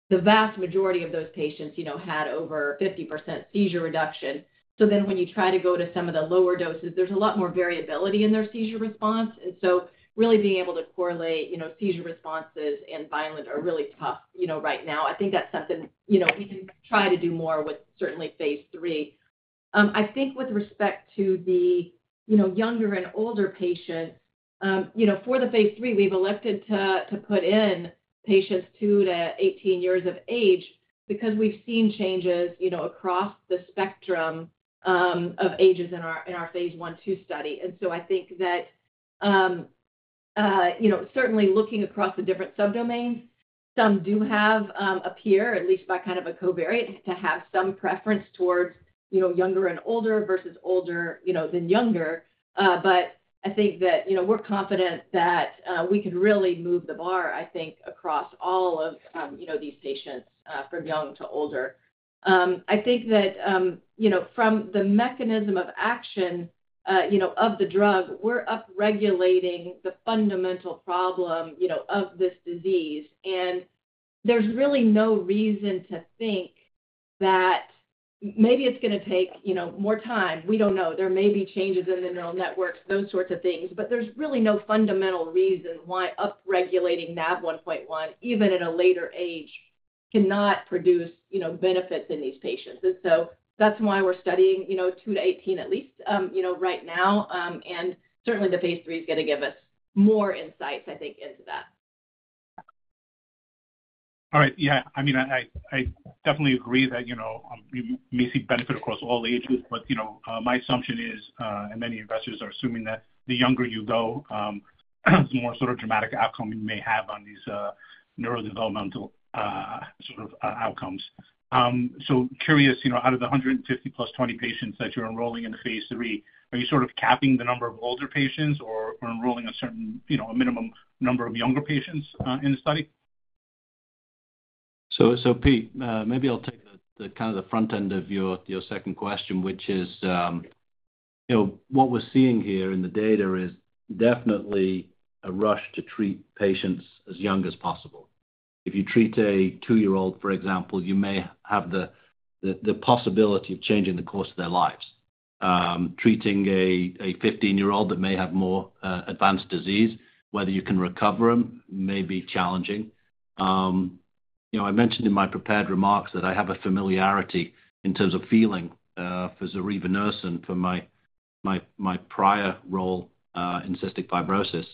the vast majority of those patients had over 50% seizure reduction. When you try to go to some of the lower doses, there's a lot more variability in their seizure response. Really being able to correlate seizure responses and Vineland are really tough right now. I think that's something you can try to do more with certainly Phase III. I think with respect to the younger and older patients, for the Phase III, we've elected to put in patients 2-18 years of age because we've seen changes across the spectrum of ages in our Phase I/II study. I think that certainly looking across the different subdomains, some do have a peer, at least by kind of a covariant, to have some preference towards younger and older versus older than younger. I think that we're confident that we could really move the bar across all of these patients from young to older. From the mechanism of action of the drug, we're upregulating the fundamental problem of this disease. There's really no reason to think that maybe it's going to take more time. We don't know. There may be changes in the neural networks, those sorts of things. There's really no fundamental reason why upregulating NAV1.1, even at a later age, cannot produce benefits in these patients. That's why we're studying two to 18 at least right now. Certainly the Phase III is going to give us more insights into that. All right. I definitely agree that, you know, we may see benefit across all ages. My assumption is, and many investors are assuming, that the younger you go, the more sort of dramatic outcome you may have on these neurodevelopmental sort of outcomes. Curious, out of the 150 + 20 patients that you're enrolling in Phase III, are you capping the number of older patients or enrolling a certain minimum number of younger patients in the study? Pete, maybe I'll take the kind of the front end of your second question, which is, you know, what we're seeing here in the data is definitely a rush to treat patients as young as possible. If you treat a two-year-old, for example, you may have the possibility of changing the course of their lives. Treating a 15-year-old that may have more advanced disease, whether you can recover them, may be challenging. I mentioned in my prepared remarks that I have a familiarity in terms of feeling for zorevunersen from my prior role in cystic fibrosis.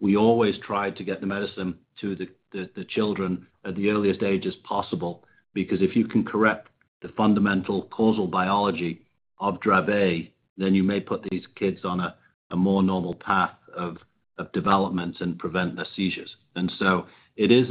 We always try to get the medicine to the children at the earliest age as possible because if you can correct the fundamental causal biology of Dravet, then you may put these kids on a more normal path of development and prevent their seizures. It is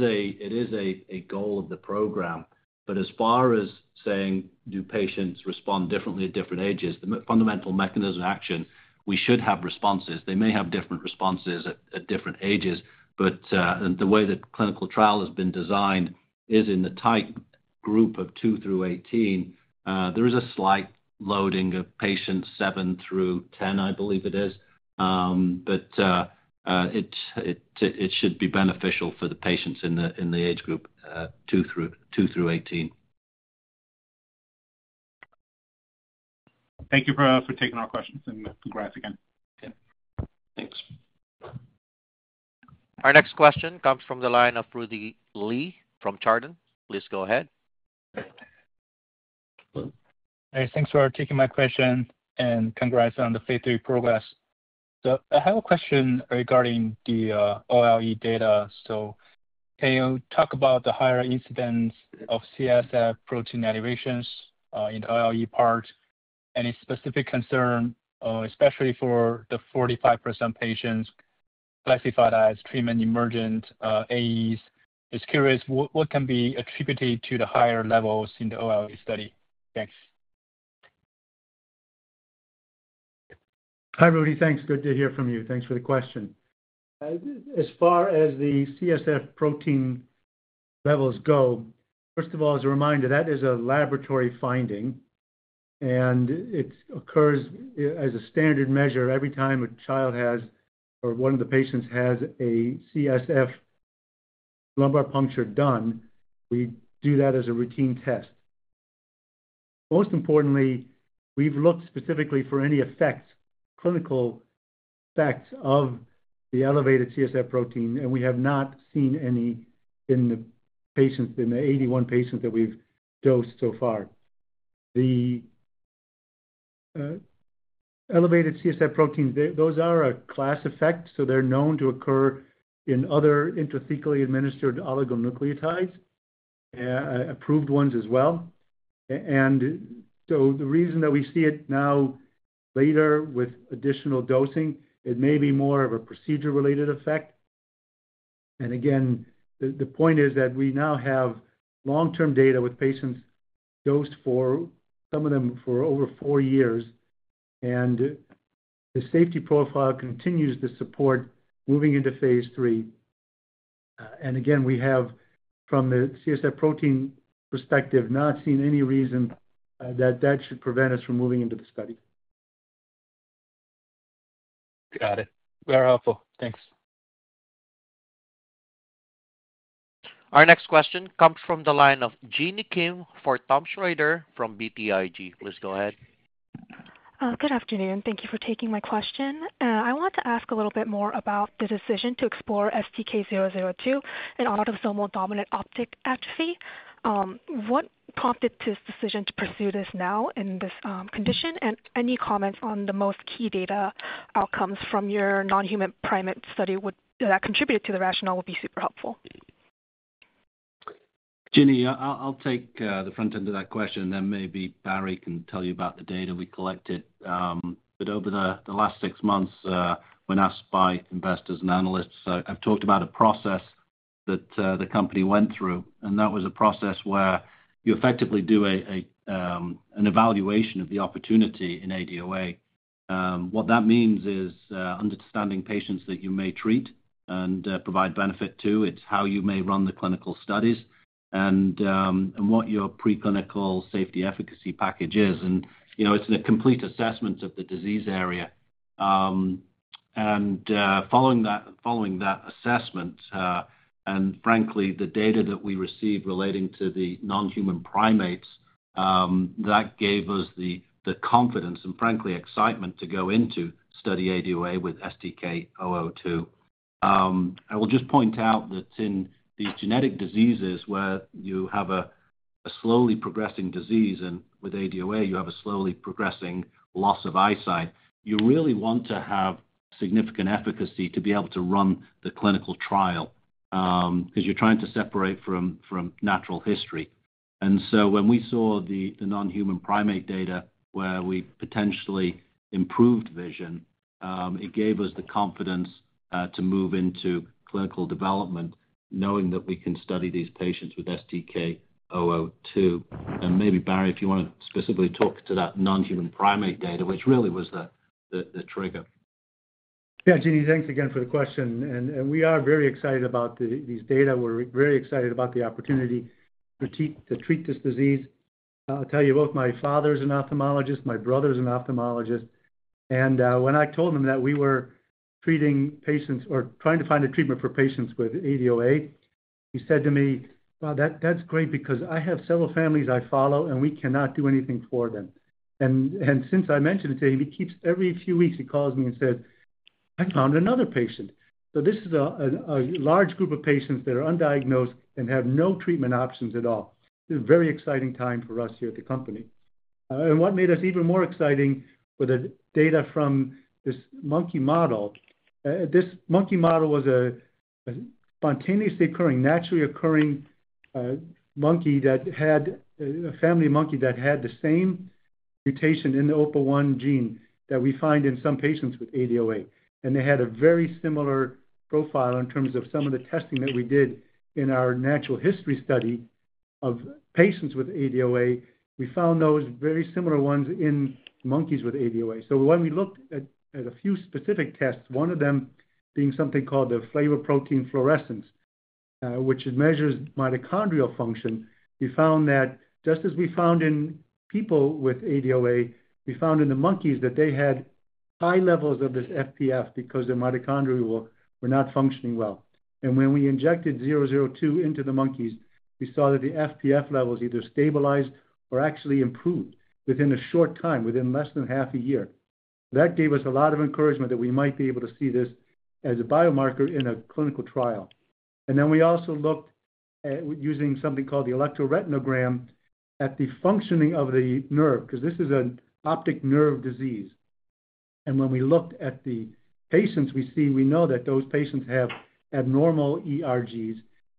a goal of the program. As far as saying, do patients respond differently at different ages, the fundamental mechanism of action, we should have responses. They may have different responses at different ages. The way the clinical trial has been designed is in the tight group of two through 18. There is a slight loading of patients seven through 10, I believe it is. It should be beneficial for the patients in the age group two through 18. Thank you for taking our questions, and congrats again. Thanks. Our next question comes from the line of Rudy Li from Chardan. Please go ahead. Thanks for taking my question and congrats on the Phase III progress. I have a question regarding the OLE data. Can you talk about the higher incidence of CSF protein elevations in the OLE part? Any specific concern, especially for the 45% patients classified as treatment emergent AEs? Just curious, what can be attributed to the higher levels in the OLE study? Thanks. Hi, Rudy. Thanks. Good to hear from you. Thanks for the question. As far as the CSF protein levels go, first of all, as a reminder, that is a laboratory finding. It occurs as a standard measure every time a child has or one of the patients has a CSF lumbar puncture done. We do that as a routine test. Most importantly, we've looked specifically for any effects, clinical effects of the elevated CSF protein, and we have not seen any in the patients, in the 81 patients that we've dosed so far. The elevated CSF protein, those are a class effect, so they're known to occur in other intrathecally administered oligonucleotides, approved ones as well. The reason that we see it now later with additional dosing, it may be more of a procedure-related effect. The point is that we now have long-term data with patients dosed for some of them for over four years, and the safety profile continues to support moving into Phase III. From the CSF protein perspective, we have not seen any reason that that should prevent us from moving into the study. Got it. Very helpful. Thanks. Our next question comes from the line of Jeannie Kim for Tom Schrader from BTIG. Please go ahead. Good afternoon. Thank you for taking my question. I want to ask a little bit more about the decision to explore STK002 and autosomal dominant optic atrophy. What prompted this decision to pursue this now in this condition? Any comments on the most key data outcomes from your non-human primate study that contributed to the rationale would be super helpful. Jeannie, I'll take the front end of that question, and then maybe Barry can tell you about the data we collected. Over the last six months, when asked by investors and analysts, I've talked about a process that the company went through. That was a process where you effectively do an evaluation of the opportunity in ADOA. What that means is understanding patients that you may treat and provide benefit to. It's how you may run the clinical studies and what your preclinical safety efficacy package is. It's a complete assessment of the disease area. Following that assessment, and frankly, the data that we received relating to the non-human primates, that gave us the confidence and frankly excitement to go into study ADOA with STK002. I will just point out that in these genetic diseases where you have a slowly progressing disease, and with ADOA, you have a slowly progressing loss of eyesight, you really want to have significant efficacy to be able to run the clinical trial because you're trying to separate from natural history. When we saw the non-human primate data where we potentially improved vision, it gave us the confidence to move into clinical development, knowing that we can study these patients with STK002. Maybe Barry, if you want to specifically talk to that non-human primate data, which really was the trigger. Yeah, Jeannie, thanks again for the question. We are very excited about these data. We're very excited about the opportunity to treat this disease. I'll tell you, both my father's an ophthalmologist, my brother's an ophthalmologist. When I told him that we were treating patients or trying to find a treatment for patients with ADOA, he said to me, "Wow, that's great because I have several families I follow and we cannot do anything for them." Since I mentioned it to him, every few weeks, he calls me and says, "I found another patient." This is a large group of patients that are undiagnosed and have no treatment options at all. This is a very exciting time for us here at the company. What made us even more excited was the data from this monkey model. This monkey model was a spontaneously occurring, naturally occurring monkey that had a family monkey that had the same mutation in the OPA1 gene that we find in some patients with ADOA. They had a very similar profile in terms of some of the testing that we did in our natural history study of patients with ADOA. We found those very similar ones in monkeys with ADOA. When we looked at a few specific tests, one of them being something called the flavoprotein fluorescence, which measures mitochondrial function, we found that just as we found in people with ADOA, we found in the monkeys that they had high levels of this FPF because their mitochondria were not functioning well. When we injected STK002 into the monkeys, we saw that the FPF levels either stabilized or actually improved within a short time, within less than half a year. That gave us a lot of encouragement that we might be able to see this as a biomarker in a clinical trial. We also looked at using something called the electroretinogram at the functioning of the nerve because this is an optic nerve disease. When we looked at the patients, we know that those patients have abnormal ERGs.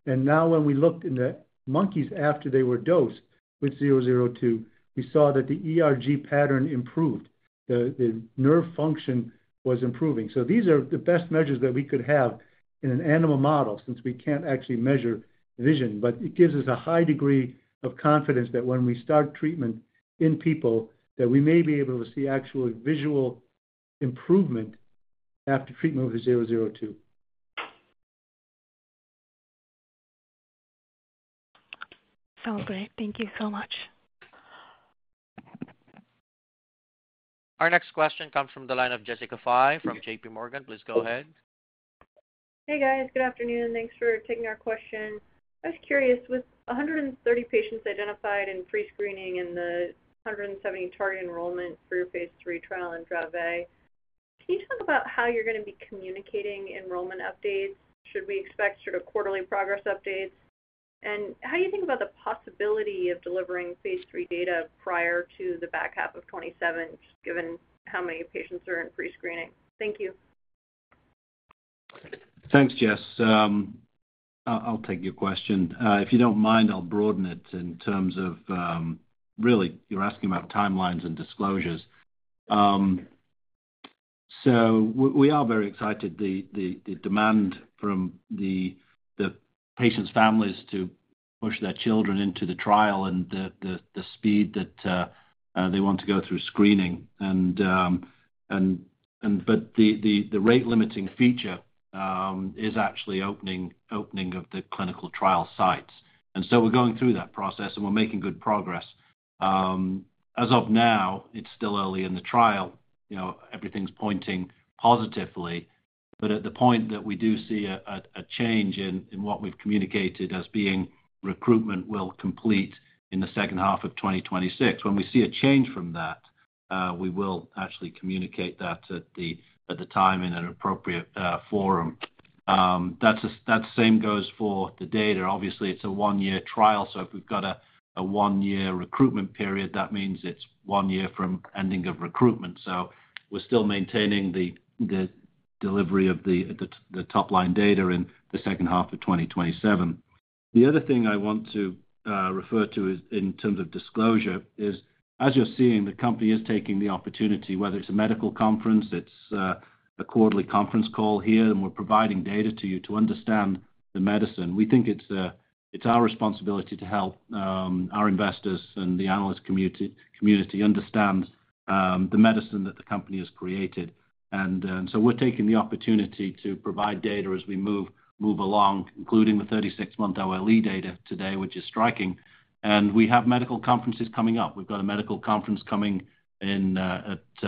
Now when we looked in the monkeys after they were dosed with STK002, we saw that the ERG pattern improved. The nerve function was improving. These are the best measures that we could have in an animal model since we can't actually measure vision. It gives us a high degree of confidence that when we start treatment in people, we may be able to see actual visual improvement after treatment with the STK002. Oh, great. Thank you so much. Our next question comes from the line of Jessica Fye from JPMorgan. Please go ahead. Hey guys, good afternoon. Thanks for taking our question. I was curious, with 130 patients identified in prescreening and the 170 target enrollment for your Phase III trial in Dravet, can you talk about how you're going to be communicating enrollment updates? Should we expect sort of quarterly progress updates? How do you think about the possibility of delivering Phase III data prior to the back half of 2027, just given how many patients are in prescreening? Thank you. Thanks, Jess. I'll take your question. If you don't mind, I'll broaden it in terms of really, you're asking about timelines and disclosures. We are very excited. The demand from the patients' families to push their children into the trial and the speed that they want to go through screening is high. The rate-limiting feature is actually opening of the clinical trial sites. We are going through that process, and we're making good progress. As of now, it's still early in the trial. Everything's pointing positively. At the point that we do see a change in what we've communicated as being recruitment will complete in the second half of 2026, when we see a change from that, we will actually communicate that at the time in an appropriate forum. That same goes for the data. Obviously, it's a one-year trial. If we've got a one-year recruitment period, that means it's one year from ending of recruitment. We're still maintaining the delivery of the top-line data in the second half of 2027. The other thing I want to refer to in terms of disclosure is, as you're seeing, the company is taking the opportunity, whether it's a medical conference, it's a quarterly conference call here, and we're providing data to you to understand the medicine. We think it's our responsibility to help our investors and the analyst community understand the medicine that the company has created. We're taking the opportunity to provide data as we move along, including the 36-month OLE data today, which is striking. We have medical conferences coming up. We've got a medical conference coming in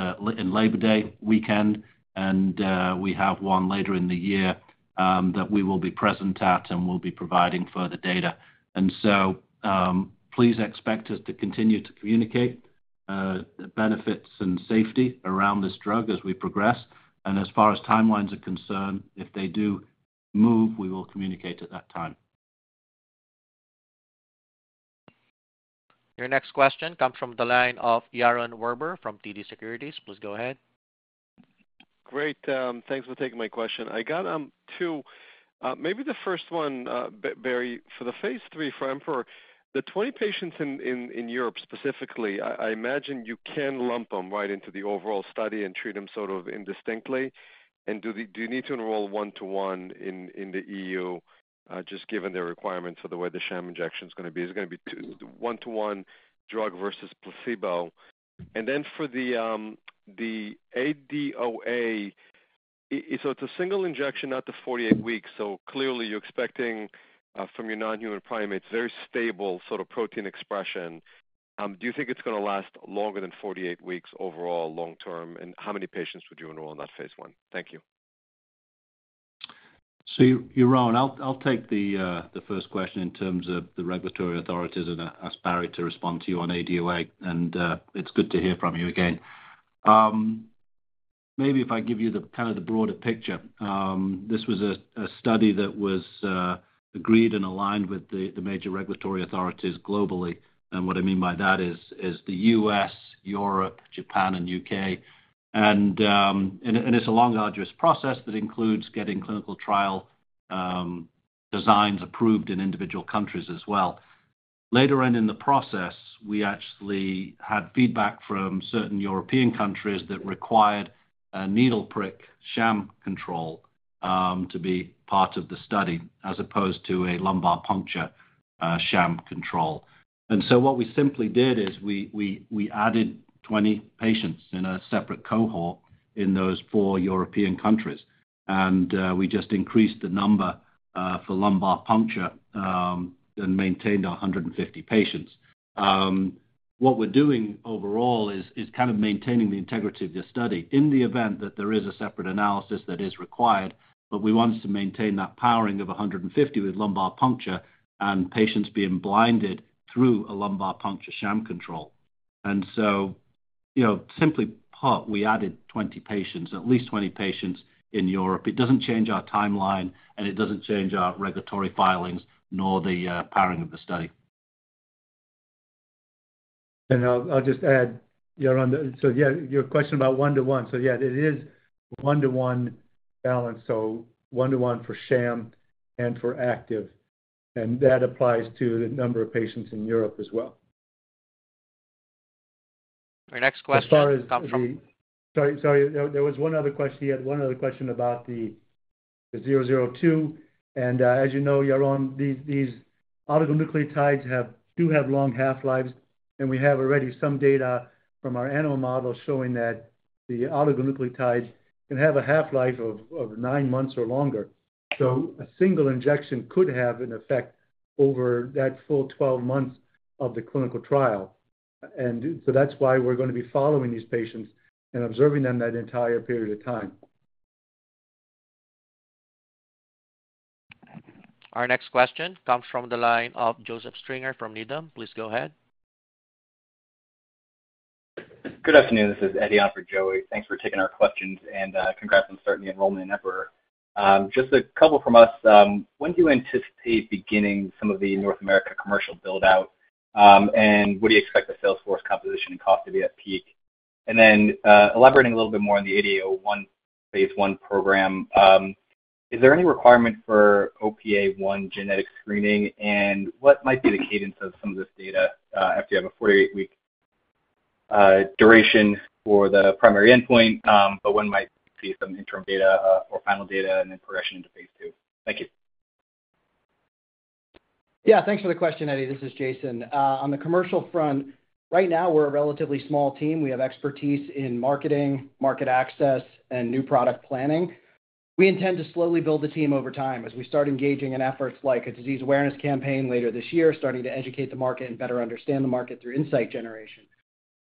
Labor Day weekend, and we have one later in the year that we will be present at and will be providing further data. Please expect us to continue to communicate the benefits and safety around this drug as we progress. As far as timelines are concerned, if they do move, we will communicate at that time. Your next question comes from the line of Yaron Werber from TD Securities. Please go ahead. Great. Thanks for taking my question. I got two. Maybe the first one, Barry, for the Phase III for EMPEROR, the 20 patients in Europe specifically, I imagine you can lump them right into the overall study and treat them sort of indistinctly. Do you need to enroll one-to-one in the EU, just given their requirements for the way the sham injection is going to be? Is it going to be one-to-one drug versus placebo? For the ADOA, it's a single injection, not the 48 weeks. Clearly, you're expecting from your non-human primates very stable sort of protein expression. Do you think it's going to last longer than 48 weeks overall long term? How many patients would you enroll in that Phase I? Thank you. You're on. I'll take the first question in terms of the regulatory authorities and ask Barry to respond to you on ADOA. It's good to hear from you again. Maybe if I give you kind of the broader picture, this was a study that was agreed and aligned with the major regulatory authorities globally. What I mean by that is the U.S., Europe, Japan, and U.K. It's a long, arduous process that includes getting clinical trial designs approved in individual countries as well. Later on in the process, we actually had feedback from certain European countries that required a needle prick sham control to be part of the study, as opposed to a lumbar puncture sham control. What we simply did is we added 20 patients in a separate cohort in those four European countries. We just increased the number for lumbar puncture and maintained our 150 patients. What we're doing overall is kind of maintaining the integrity of the study in the event that there is a separate analysis that is required. We wanted to maintain that powering of 150 with lumbar puncture and patients being blinded through a lumbar puncture sham control. Simply put, we added 20 patients, at least 20 patients in Europe. It doesn't change our timeline, and it doesn't change our regulatory filings, nor the powering of the study. I'll just add, Yaron, your question about one-to-one. It is one-to-one balance, one-to-one for sham and for active. That applies to the number of patients in Europe as well. Our next question comes from. Sorry, there was one other question. He had one other question about the 002. As you know, Yaron, these oligonucleotides do have long half-lives. We have already some data from our animal model showing that the oligonucleotides can have a half-life of nine months or longer. A single injection could have an effect over that full 12 months of the clinical trial. That is why we're going to be following these patients and observing them that entire period of time. Our next question comes from the line of Joseph Stringer from Needham. Please go ahead. Good afternoon. This is Eddie on for Joe. Thanks for taking our questions, and congrats on starting the enrollment in EMPEROR. Just a couple from us. When do you anticipate beginning some of the North America commercial buildout? What do you expect the sales force composition and cost to be at peak? Elaborating a little bit more on the ADOA Phase I program, is there any requirement for OPA1 genetic screening? What might be the cadence of some of this data after you have a 48-week duration for the primary endpoint? When might we see some interim data or final data and progression into Phase II? Thank you. Yeah, thanks for the question, Eddie. This is Jason. On the commercial front, right now we're a relatively small team. We have expertise in marketing, market access, and new product planning. We intend to slowly build the team over time as we start engaging in efforts like a disease awareness campaign later this year, starting to educate the market and better understand the market through insight generation.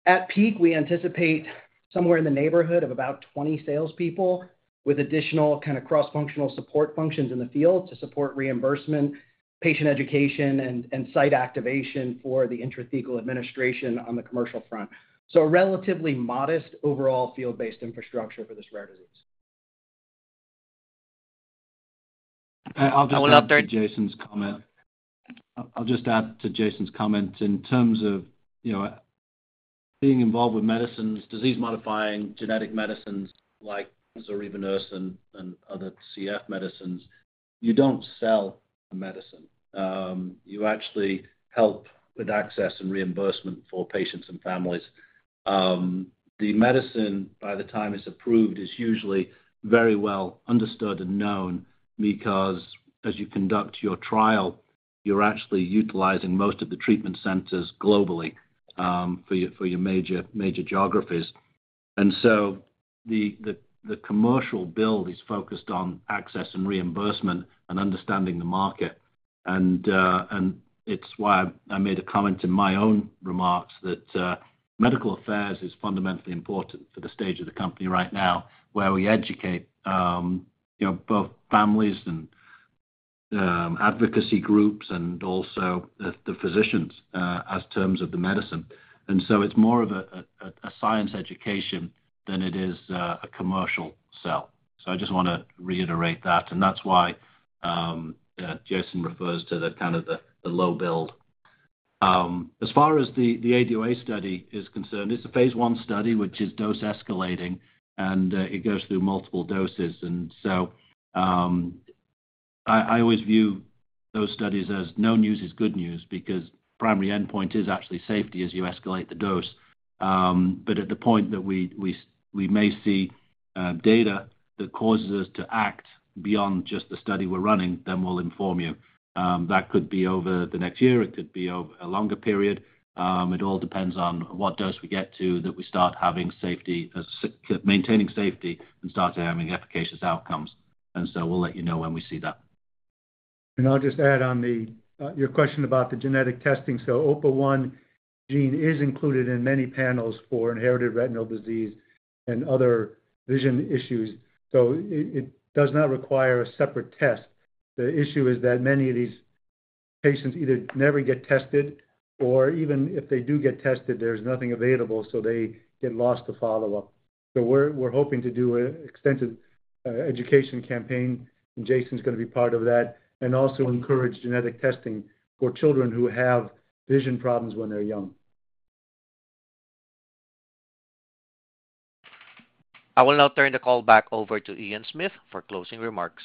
At peak, we anticipate somewhere in the neighborhood of about 20 salespeople with additional kind of cross-functional support functions in the field to support reimbursement, patient education, and site activation for the intrathecal administration on the commercial front. A relatively modest overall field-based infrastructure for this rare disease. I'll just add to Jason's comment in terms of, you know, being involved with medicines, disease-modifying genetic medicines like zorevunersen and other CF medicines, you don't sell a medicine. You actually help with access and reimbursement for patients and families. The medicine, by the time it's approved, is usually very well understood and known because. You conduct your trial, you're actually utilizing most of the treatment centers globally for your major geographies. The commercial build is focused on access and reimbursement and understanding the market. It's why I made a comment in my own remarks that Medical Affairs is fundamentally important for the stage of the company right now where we educate both families and advocacy groups and also the physicians in terms of the medicine. It's more of a science education than it is a commercial sell. I just want to reiterate that. That's why Jason refers to that kind of the low build. As far as the ADOA study is concerned, it's a Phase I study, which is dose escalating, and it goes through multiple doses. I always view those studies as no news is good news because the primary endpoint is actually safety as you escalate the dose. At the point that we may see data that causes us to act beyond just the study we're running, then we'll inform you. That could be over the next year. It could be over a longer period. It all depends on what dose we get to that we start maintaining safety and start having efficacious outcomes. We'll let you know when we see that. I'll just add on your question about the genetic testing. The OPA1 gene is included in many panels for inherited retinal disease and other vision issues, so it does not require a separate test. The issue is that many of these patients either never get tested or, even if they do get tested, there's nothing available, so they get lost to follow-up. We're hoping to do an extensive education campaign. Jason's going to be part of that and also encourage genetic testing for children who have vision problems when they're young. I will now turn the call back over to Ian Smith for closing remarks.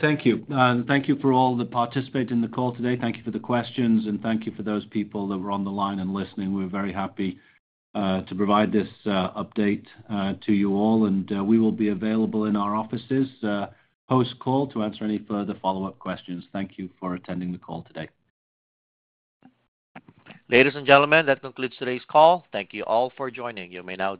Thank you. Thank you for all the participants in the call today. Thank you for the questions, and thank you for those people that were on the line and listening. We're very happy to provide this update to you all. We will be available in our offices post-call to answer any further follow-up questions. Thank you for attending the call today. Ladies and gentlemen, that concludes today's call. Thank you all for joining. You may now.